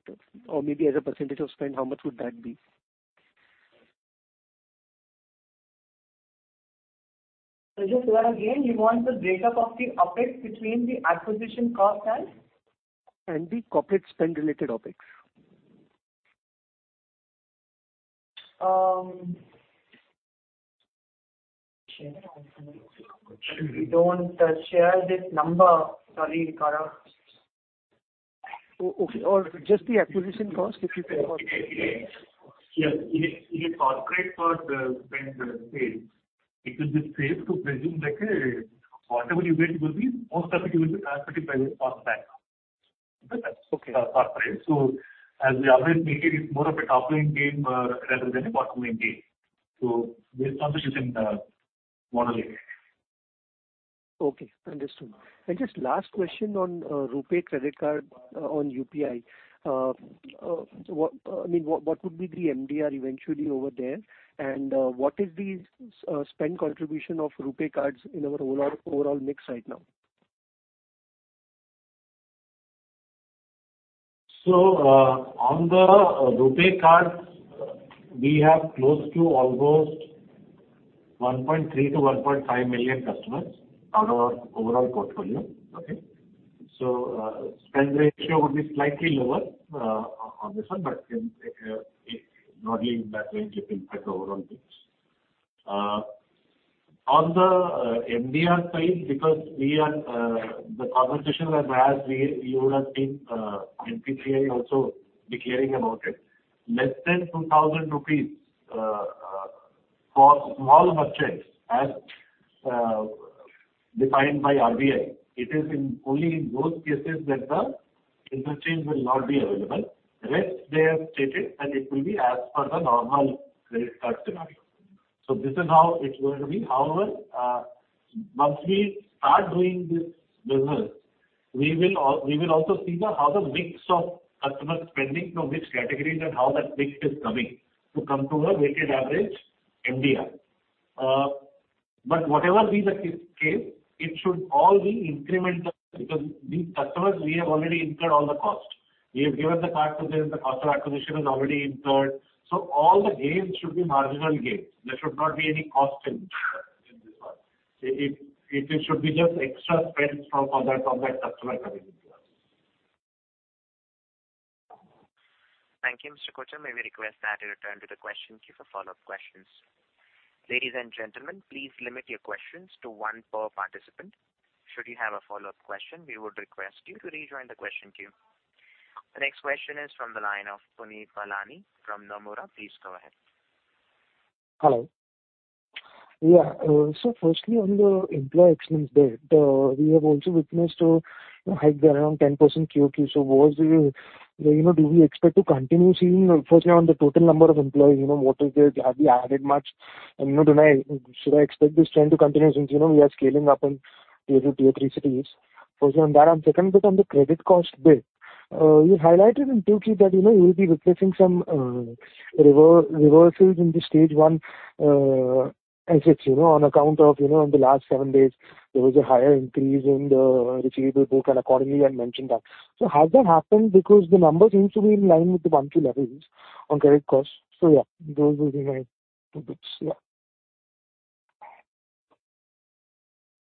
Speaker 10: or maybe as a percentage of spend, how much would that be?
Speaker 4: Just one again, you want the break up of the OpEx between the acquisition cost and?
Speaker 10: The corporate spend related OpEx.
Speaker 4: We don't share this number. Sorry, Guarav.
Speaker 10: Oh, okay. Just the acquisition cost if you can-
Speaker 2: Yes. In a corporate first spend space, it will be safe to presume that whatever you get will be most of it will be pretty private on that.
Speaker 10: Okay.
Speaker 2: Corporate. As we always make it's more of a top-line game, rather than a bottom-line game. Based on that you can model it.
Speaker 10: Okay. Understood. Just last question on RuPay credit card on UPI. I mean, what would be the MDR eventually over there? What is the spend contribution of RuPay cards in our overall mix right now?
Speaker 2: On the RuPay cards, we have close to almost 1.3 million-1.5 million customers.
Speaker 4: Out of-
Speaker 2: our overall portfolio. Okay. Spend ratio would be slightly lower on this one, but in modeling that range, it will affect overall things. On the MDR side, because we are, the conversation was as we, you would have seen, NPCI also declaring about it. Less than 2,000 rupees for small merchants as defined by RBI, it is in only in those cases that the interchange will not be available. Rest they have stated, and it will be as per the normal credit card scenario. This is how it's going to be. However, once we start doing this business, we will also see the how the mix of customer spending from which categories and how that mix is coming to come to a weighted average MDR. Whatever be the case, it should all be incremental because these customers we have already incurred all the costs. We have given the card to them, the customer acquisition is already incurred. All the gains should be marginal gains. There should not be any cost in this one. It should be just extra spend from that customer coming to us.
Speaker 1: Thank you, Mr. Kochar. May we request that you return to the question queue for follow-up questions. Ladies and gentlemen, please limit your questions to one per participant. Should you have a follow-up question, we would request you to rejoin the question queue. The next question is from the line of Puneet Balani from Nomura. Please go ahead.
Speaker 11: Hello. Yeah. Firstly, on the employee expense bit, we have also witnessed a hike there around 10% QOQ. You know, do we expect to continue seeing, firstly on the total number of employees, you know, what is this? Have you added much? You know, should I expect this trend to continue since, you know, we are scaling up in Tier 2, Tier 3 cities? Firstly on that, second bit on the credit cost bit. You highlighted in 2Q that, you know, you will be replacing some reversals in the stage one assets, you know, on account of, you know, in the last seven days there was a higher increase in the receivable book and accordingly I mentioned that. Has that happened? Because the numbers seems to be in line with the 1Q levels on credit costs. Yeah, those will be my two bits.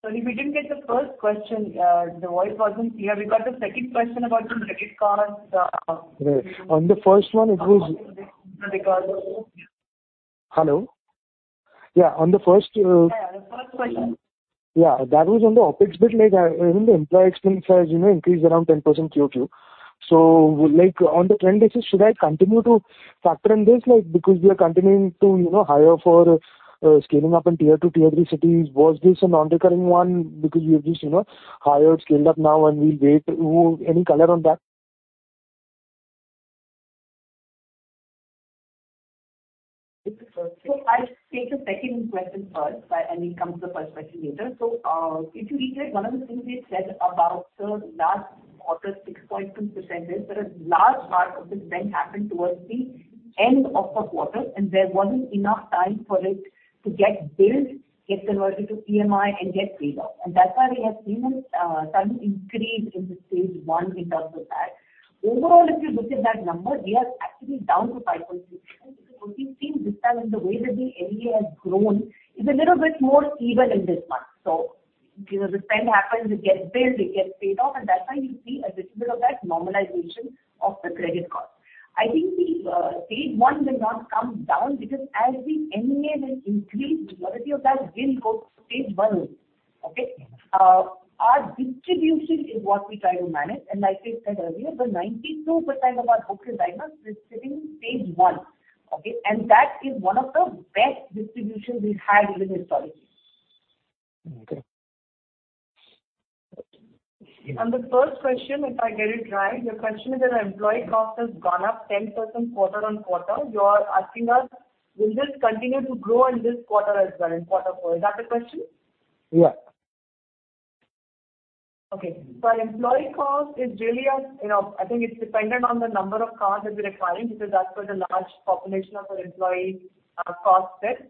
Speaker 4: Sorry, we didn't get the first question. The voice wasn't clear. We got the second question about the credit cards.
Speaker 11: Right. On the first one. Hello? Yeah, on the first.
Speaker 4: Yeah, the first question.
Speaker 11: Yeah. That was on the OpEx bit, like, even the employee expense has, you know, increased around 10% QOQ. On the trend basis should I continue to factor in this like because we are continuing to, you know, hire for, scaling up in Tier 2, Tier 3 cities? Was this a non-recurring one because we have just, you know, hired, scaled up now and we wait? Any color on that?
Speaker 4: I'll take the second question first by... and we come to the first question later. If you recall one of the things we had said about the last quarter 6.2% is that a large part of the spend happened towards the end of the quarter, and there wasn't enough time for it to get billed, get converted to EMI and get paid off. That's why we have seen a sudden increase in the stage one in terms of that. Overall, if you look at that number, we are actually down to 5.6%. What we've seen this time is the way that the NRE has grown is a little bit more even in this one. You know, the spend happens, it gets billed, it gets paid off, and that's why you see a little bit of that normalization of the credit cost. I think the stage one will not come down because as the NRE will increase, majority of that will go to stage one. Okay? Our distribution is what we try to manage. Like I said earlier, the 92% of our hooks and diners is sitting in stage one, okay? That is one of the best distributions we've had with this policy.
Speaker 11: Okay.
Speaker 4: The first question, if I get it right, your question is that employee cost has gone up 10% quarter on quarter. You are asking us will this continue to grow in this quarter as well, in quarter four? Is that the question?
Speaker 11: Yeah.
Speaker 4: Our employee cost is really you know, I think it's dependent on the number of cards that we are acquiring because that's where the large population of our employee cost sits.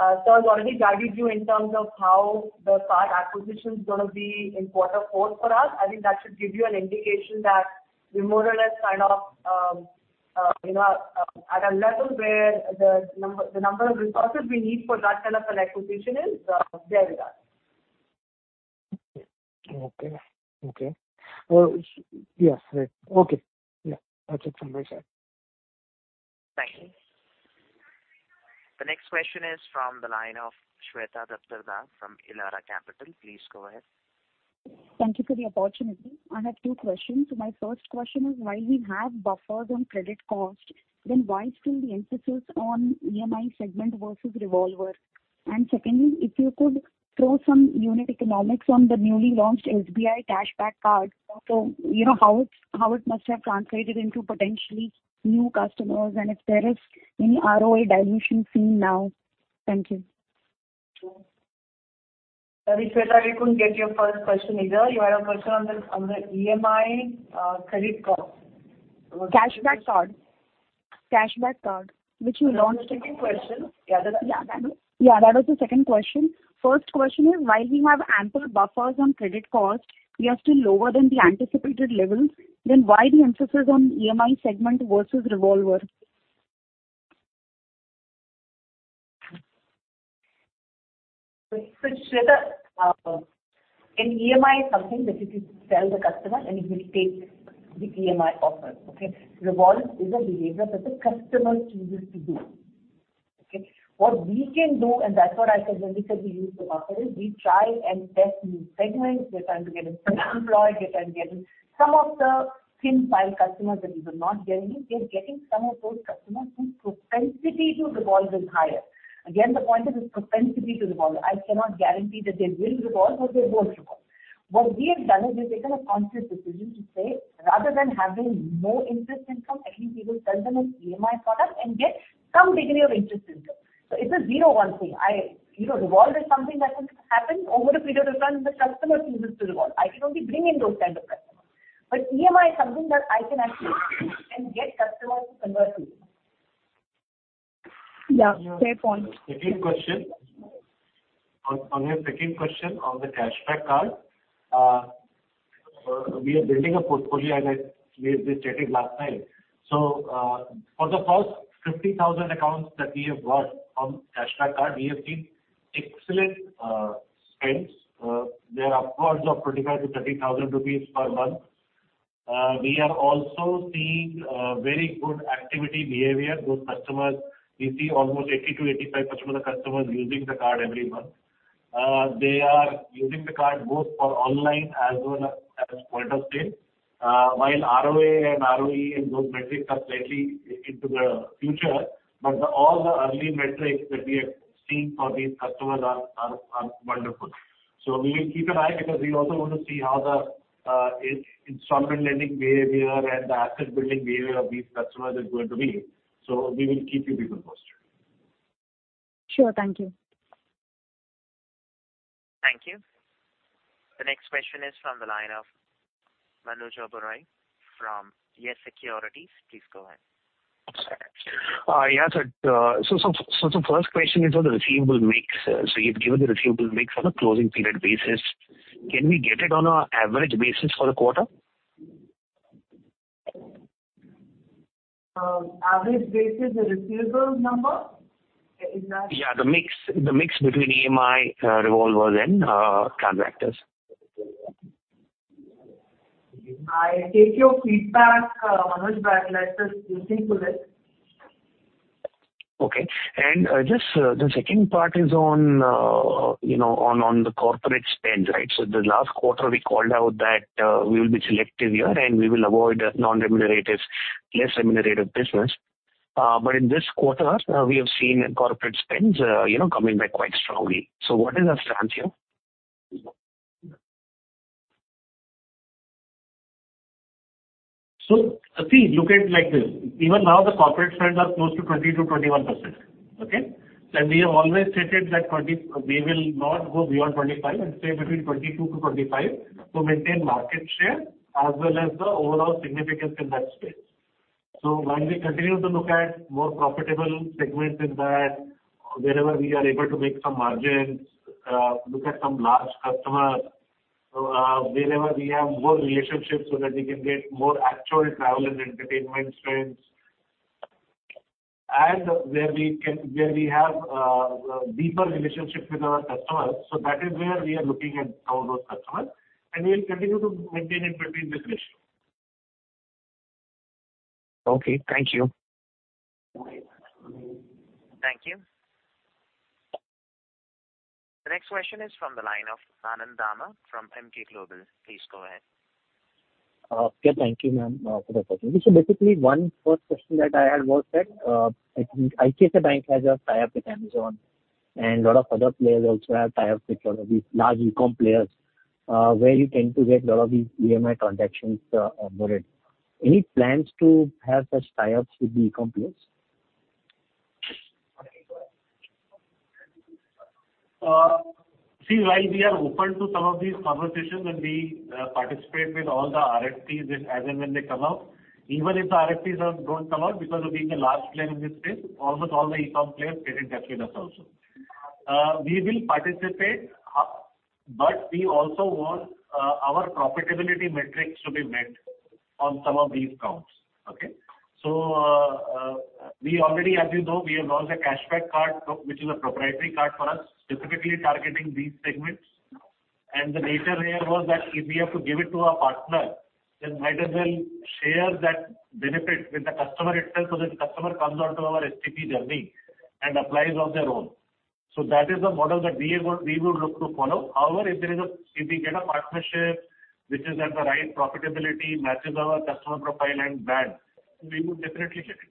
Speaker 4: I've already guided you in terms of how the card acquisition is gonna be in quarter four for us. I think that should give you an indication that we're more or less kind of, you know, at a level where the number of resources we need for that kind of an acquisition is there with us.
Speaker 11: Okay. Yes. Right. Okay. Yeah, that's it from my side.
Speaker 1: Thank you. The next question is from the line of Shweta Daptardar from Elara Capital. Please go ahead.
Speaker 12: Thank you for the opportunity. I have two questions. My first question is while we have buffers on credit cost, then why still the emphasis on EMI segment versus revolver? Secondly, if you could throw some unit economics on the newly launched CASHBACK SBI Card. You know, how it must have translated into potentially new customers and if there is any ROI dilution seen now. Thank you.
Speaker 4: Shweta, we couldn't get your first question either. You had a question on the, on the EMI credit card.
Speaker 12: Cashback card. Cashback card which you launched-
Speaker 4: The second question. Gather that
Speaker 12: Yeah, that was the second question. First question is, while we have ample buffers on credit cost, we are still lower than the anticipated levels, then why the emphasis on EMI segment versus revolver?
Speaker 4: Shweta, an EMI is something that if you tell the customer and he will take the EMI offer. Okay? Revolver is a behavior that the customer chooses to do. Okay? What we can do, and that's what I said when we said we use the buffers, we try and test new segments. We're trying to get in self-employed. We're trying to get in some of the thin file customers that we were not getting in. We are getting some of those customers whose propensity to revolve is higher. Again, the point is its propensity to revolve. I cannot guarantee that they will revolve or they won't revolve. What we have done is we've taken a conscious decision to say rather than having no interest income, at least we will sell them an EMI product and get some degree of interest income. It's a zero one thing. I... You know, revolve is something that can happen over a period of time. The customer chooses to revolve. I can only bring in those kind of customers. EMI is something that I can actually and get customers to convert to.
Speaker 12: Yeah, fair point.
Speaker 2: Second question. On your second question on the Cashback card. We are building a portfolio as I raised this topic last time. For the first 50,000 accounts that we have got on Cashback card, we have seen excellent. Spends, they're upwards of 25,000-30,000 rupees per month. We are also seeing very good activity behavior with customers. We see almost 80%-85% of the customers using the card every month. They are using the card both for online as well as point-of-sale. While ROA and ROE and those metrics are slightly into the future, but all the early metrics that we have seen for these customers are wonderful. We will keep an eye because we also want to see how the in-installment lending behavior and the asset building behavior of these customers is going to be. We will keep you people posted.
Speaker 12: Sure. Thank you.
Speaker 1: Thank you. The next question is from the line of Manuj Oberoi from YES Securities. Please go ahead.
Speaker 13: Sorry. yeah. The first question is on the receivable mix. You've given the receivable mix on a closing period basis. Can we get it on a average basis for the quarter?
Speaker 4: average basis the receivable number?
Speaker 13: Yeah, the mix between EMI revolvers and transactors.
Speaker 4: I take your feedback, Manuj, but let us look into it.
Speaker 13: Okay. Just the second part is on, you know, on the corporate spend, right? The last quarter we called out that we will be selective here and we will avoid non-remunerative, less remunerative business. In this quarter, we have seen corporate spends, you know, coming back quite strongly. What is our stance here?
Speaker 2: See, look at it like this. Even now, the corporate spends are close to 20%-21%. Okay. We have always stated that 20... We will not go beyond 25 and stay between 22%-25% to maintain market share as well as the overall significance in that space. While we continue to look at more profitable segments in that, wherever we are able to make some margins, look at some large customers, wherever we have more relationships so that we can get more actual travel and entertainment spends, and where we have deeper relationships with our customers, that is where we are looking at all those customers, and we will continue to maintain it between this ratio.
Speaker 13: Okay, thank you.
Speaker 1: Thank you. The next question is from the line of Anand Dama from Emkay Global. Please go ahead.
Speaker 14: Okay, thank you, ma'am, for the question. Basically one first question that I had was that, I think ICICI Bank has a tie-up with Amazon and lot of other players also have tie-ups with lot of these large e-com players, where you tend to get lot of these EMI transactions, onboarded. Any plans to have such tie-ups with the e-com players?
Speaker 2: See, while we are open to some of these conversations and we participate with all the RFPs as and when they come out, even if the RFPs don't come out because of being a large player in this space, almost all the e-com players they did that with us also. We will participate, but we also want our profitability metrics to be met on some of these counts. Okay? We already, as you know, we have launched a CASHBACK card, which is a proprietary card for us, specifically targeting these segments. The data here was that if we have to give it to our partner, then might as well share that benefit with the customer itself, so that customer comes on to our STP journey and applies on their own. That is the model that we would look to follow. However, if we get a partnership which is at the right profitability, matches our customer profile and bank, we would definitely take it.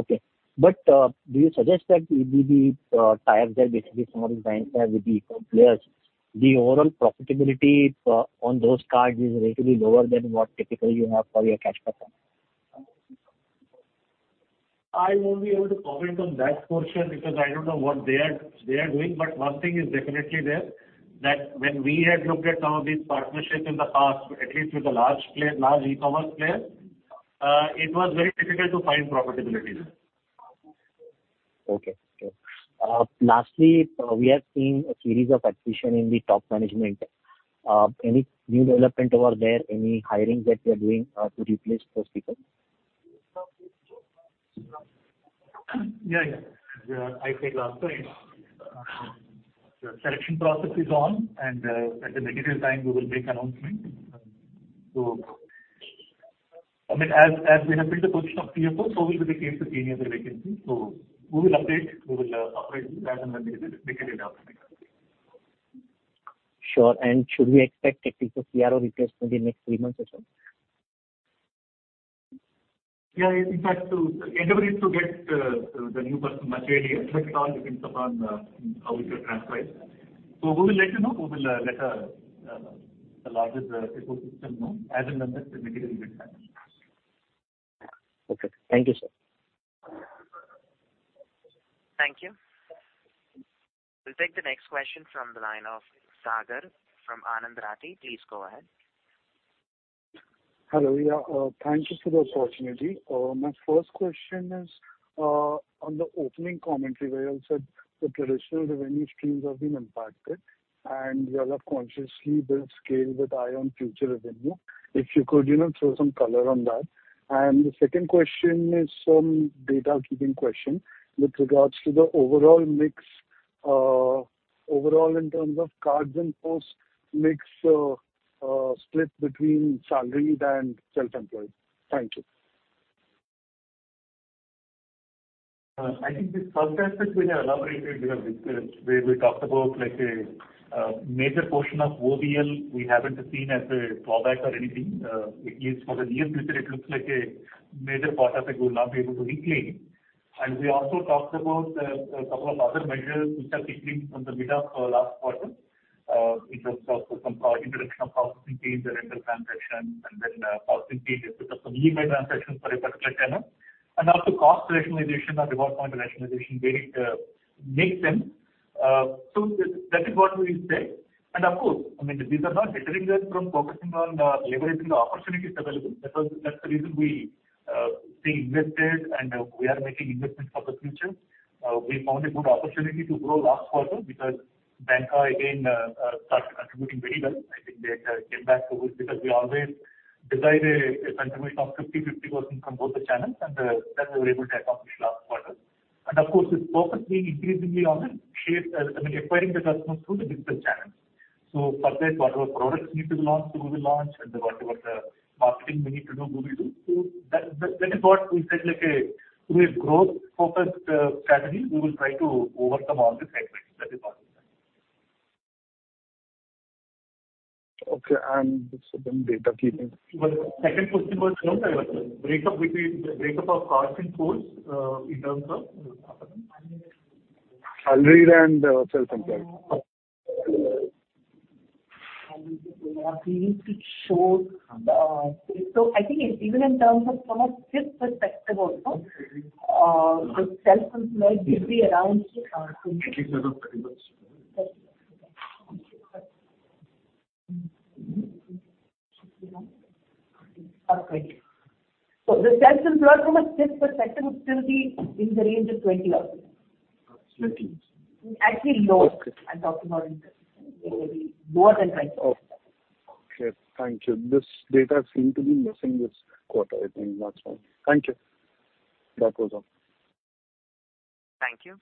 Speaker 14: Okay. Do you suggest that with the tie-ups that basically some of these banks have with the e-com players, the overall profitability on those cards is relatively lower than what typically you have for your CASHBACK SBI Card?
Speaker 2: I won't be able to comment on that portion because I don't know what they are doing. One thing is definitely there, that when we had looked at some of these partnerships in the past, at least with the large player, large e-commerce player, it was very difficult to find profitability there.
Speaker 14: Okay. Sure. Lastly, we have seen a series of attrition in the top management. Any new development over there? Any hiring that you are doing, to replace those people?
Speaker 2: Yeah, yeah. As I said last time, the selection process is on and at an appropriate time we will make announcement. I mean, as we have filled the position of CFO, so will be the case with any other vacancy. We will update you as and when we get it appropriate.
Speaker 14: Sure. Should we expect at least a CRO replacement in next three months or so?
Speaker 2: Yeah, the endeavor is to get the new person much early. It all depends upon how we get transferred. We will let you know. We will let the larger ecosystem know as and when this is appropriate with time.
Speaker 14: Okay. Thank you, sir.
Speaker 1: Thank you. We'll take the next question from the line of Sagar from Anand Rathi. Please go ahead.
Speaker 15: Hello. Yeah, thank you for the opportunity. My first question is on the opening commentary where you said the traditional revenue streams have been impacted. Rather consciously build scale with eye on future revenue. If you could, you know, throw some color on that. The second question is some data keeping question with regards to the overall mix, overall in terms of cards and posts mix, split between salaried and self-employed. Thank you.
Speaker 2: I think the first aspect we have elaborated, you know, where we talked about like a major portion of OVL we haven't seen as a fallback or anything. At least for the near future, it looks like a major part of it we'll now be able to reclaim. We also talked about a couple of other measures which are kicking from the middle of last quarter, in terms of some introduction of processing fees, the rental transactions, and then processing fees, if it was some EMI transactions for a particular channel. Also cost rationalization or reward point rationalization where it makes sense. That is what we said. Of course, I mean, these are not deterring us from focusing on leveraging the opportunities available because that's the reason we stay invested and we are making investments for the future. We found a good opportunity to grow last quarter because Banca again started contributing very well. I think they came back to us because we always desired a contribution of 50/50% from both the channels and that we were able to accomplish last quarter. Of course, this focus being increasingly on acquiring the customers through the digital channels. For this, whatever products need to be launched will be launched and whatever the marketing we need to do, we will do. That is what we said, like with growth-focused strategy, we will try to overcome all this headwinds. That is all.
Speaker 15: Okay. Just some data keeping.
Speaker 2: Well, second question was what? Breakup of cards and posts, in terms of?
Speaker 15: Salaried and self-employed.
Speaker 4: I think even in terms of from a fifth perspective also, the self-employed will be around 20.
Speaker 15: 20%.
Speaker 4: The self-employed from a fifth perspective would still be in the range of 20,000.
Speaker 15: Okay.
Speaker 4: Actually lower.
Speaker 15: Okay.
Speaker 4: I'm talking about interest. It may be more than 20%.
Speaker 15: Okay. Thank you. This data seem to be missing this quarter, I think. That's why. Thank you. That was all.
Speaker 1: Thank you.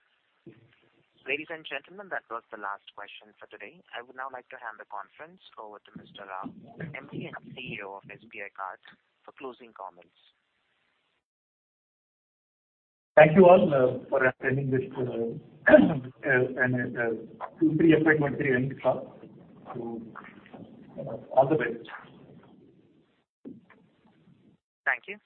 Speaker 1: Ladies and gentlemen, that was the last question for today. I would now like to hand the conference over to Mr. Rama, MD and CEO of SBI Card for closing comments.
Speaker 2: Thank you all for attending this and Q3 FY 2023 earnings call. All the best.
Speaker 1: Thank you.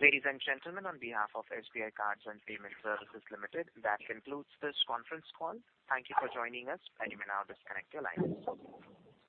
Speaker 1: Ladies and gentlemen, on behalf of SBI Cards and Payment Services Limited, that concludes this conference call. Thank you for joining us, and you may now disconnect your lines.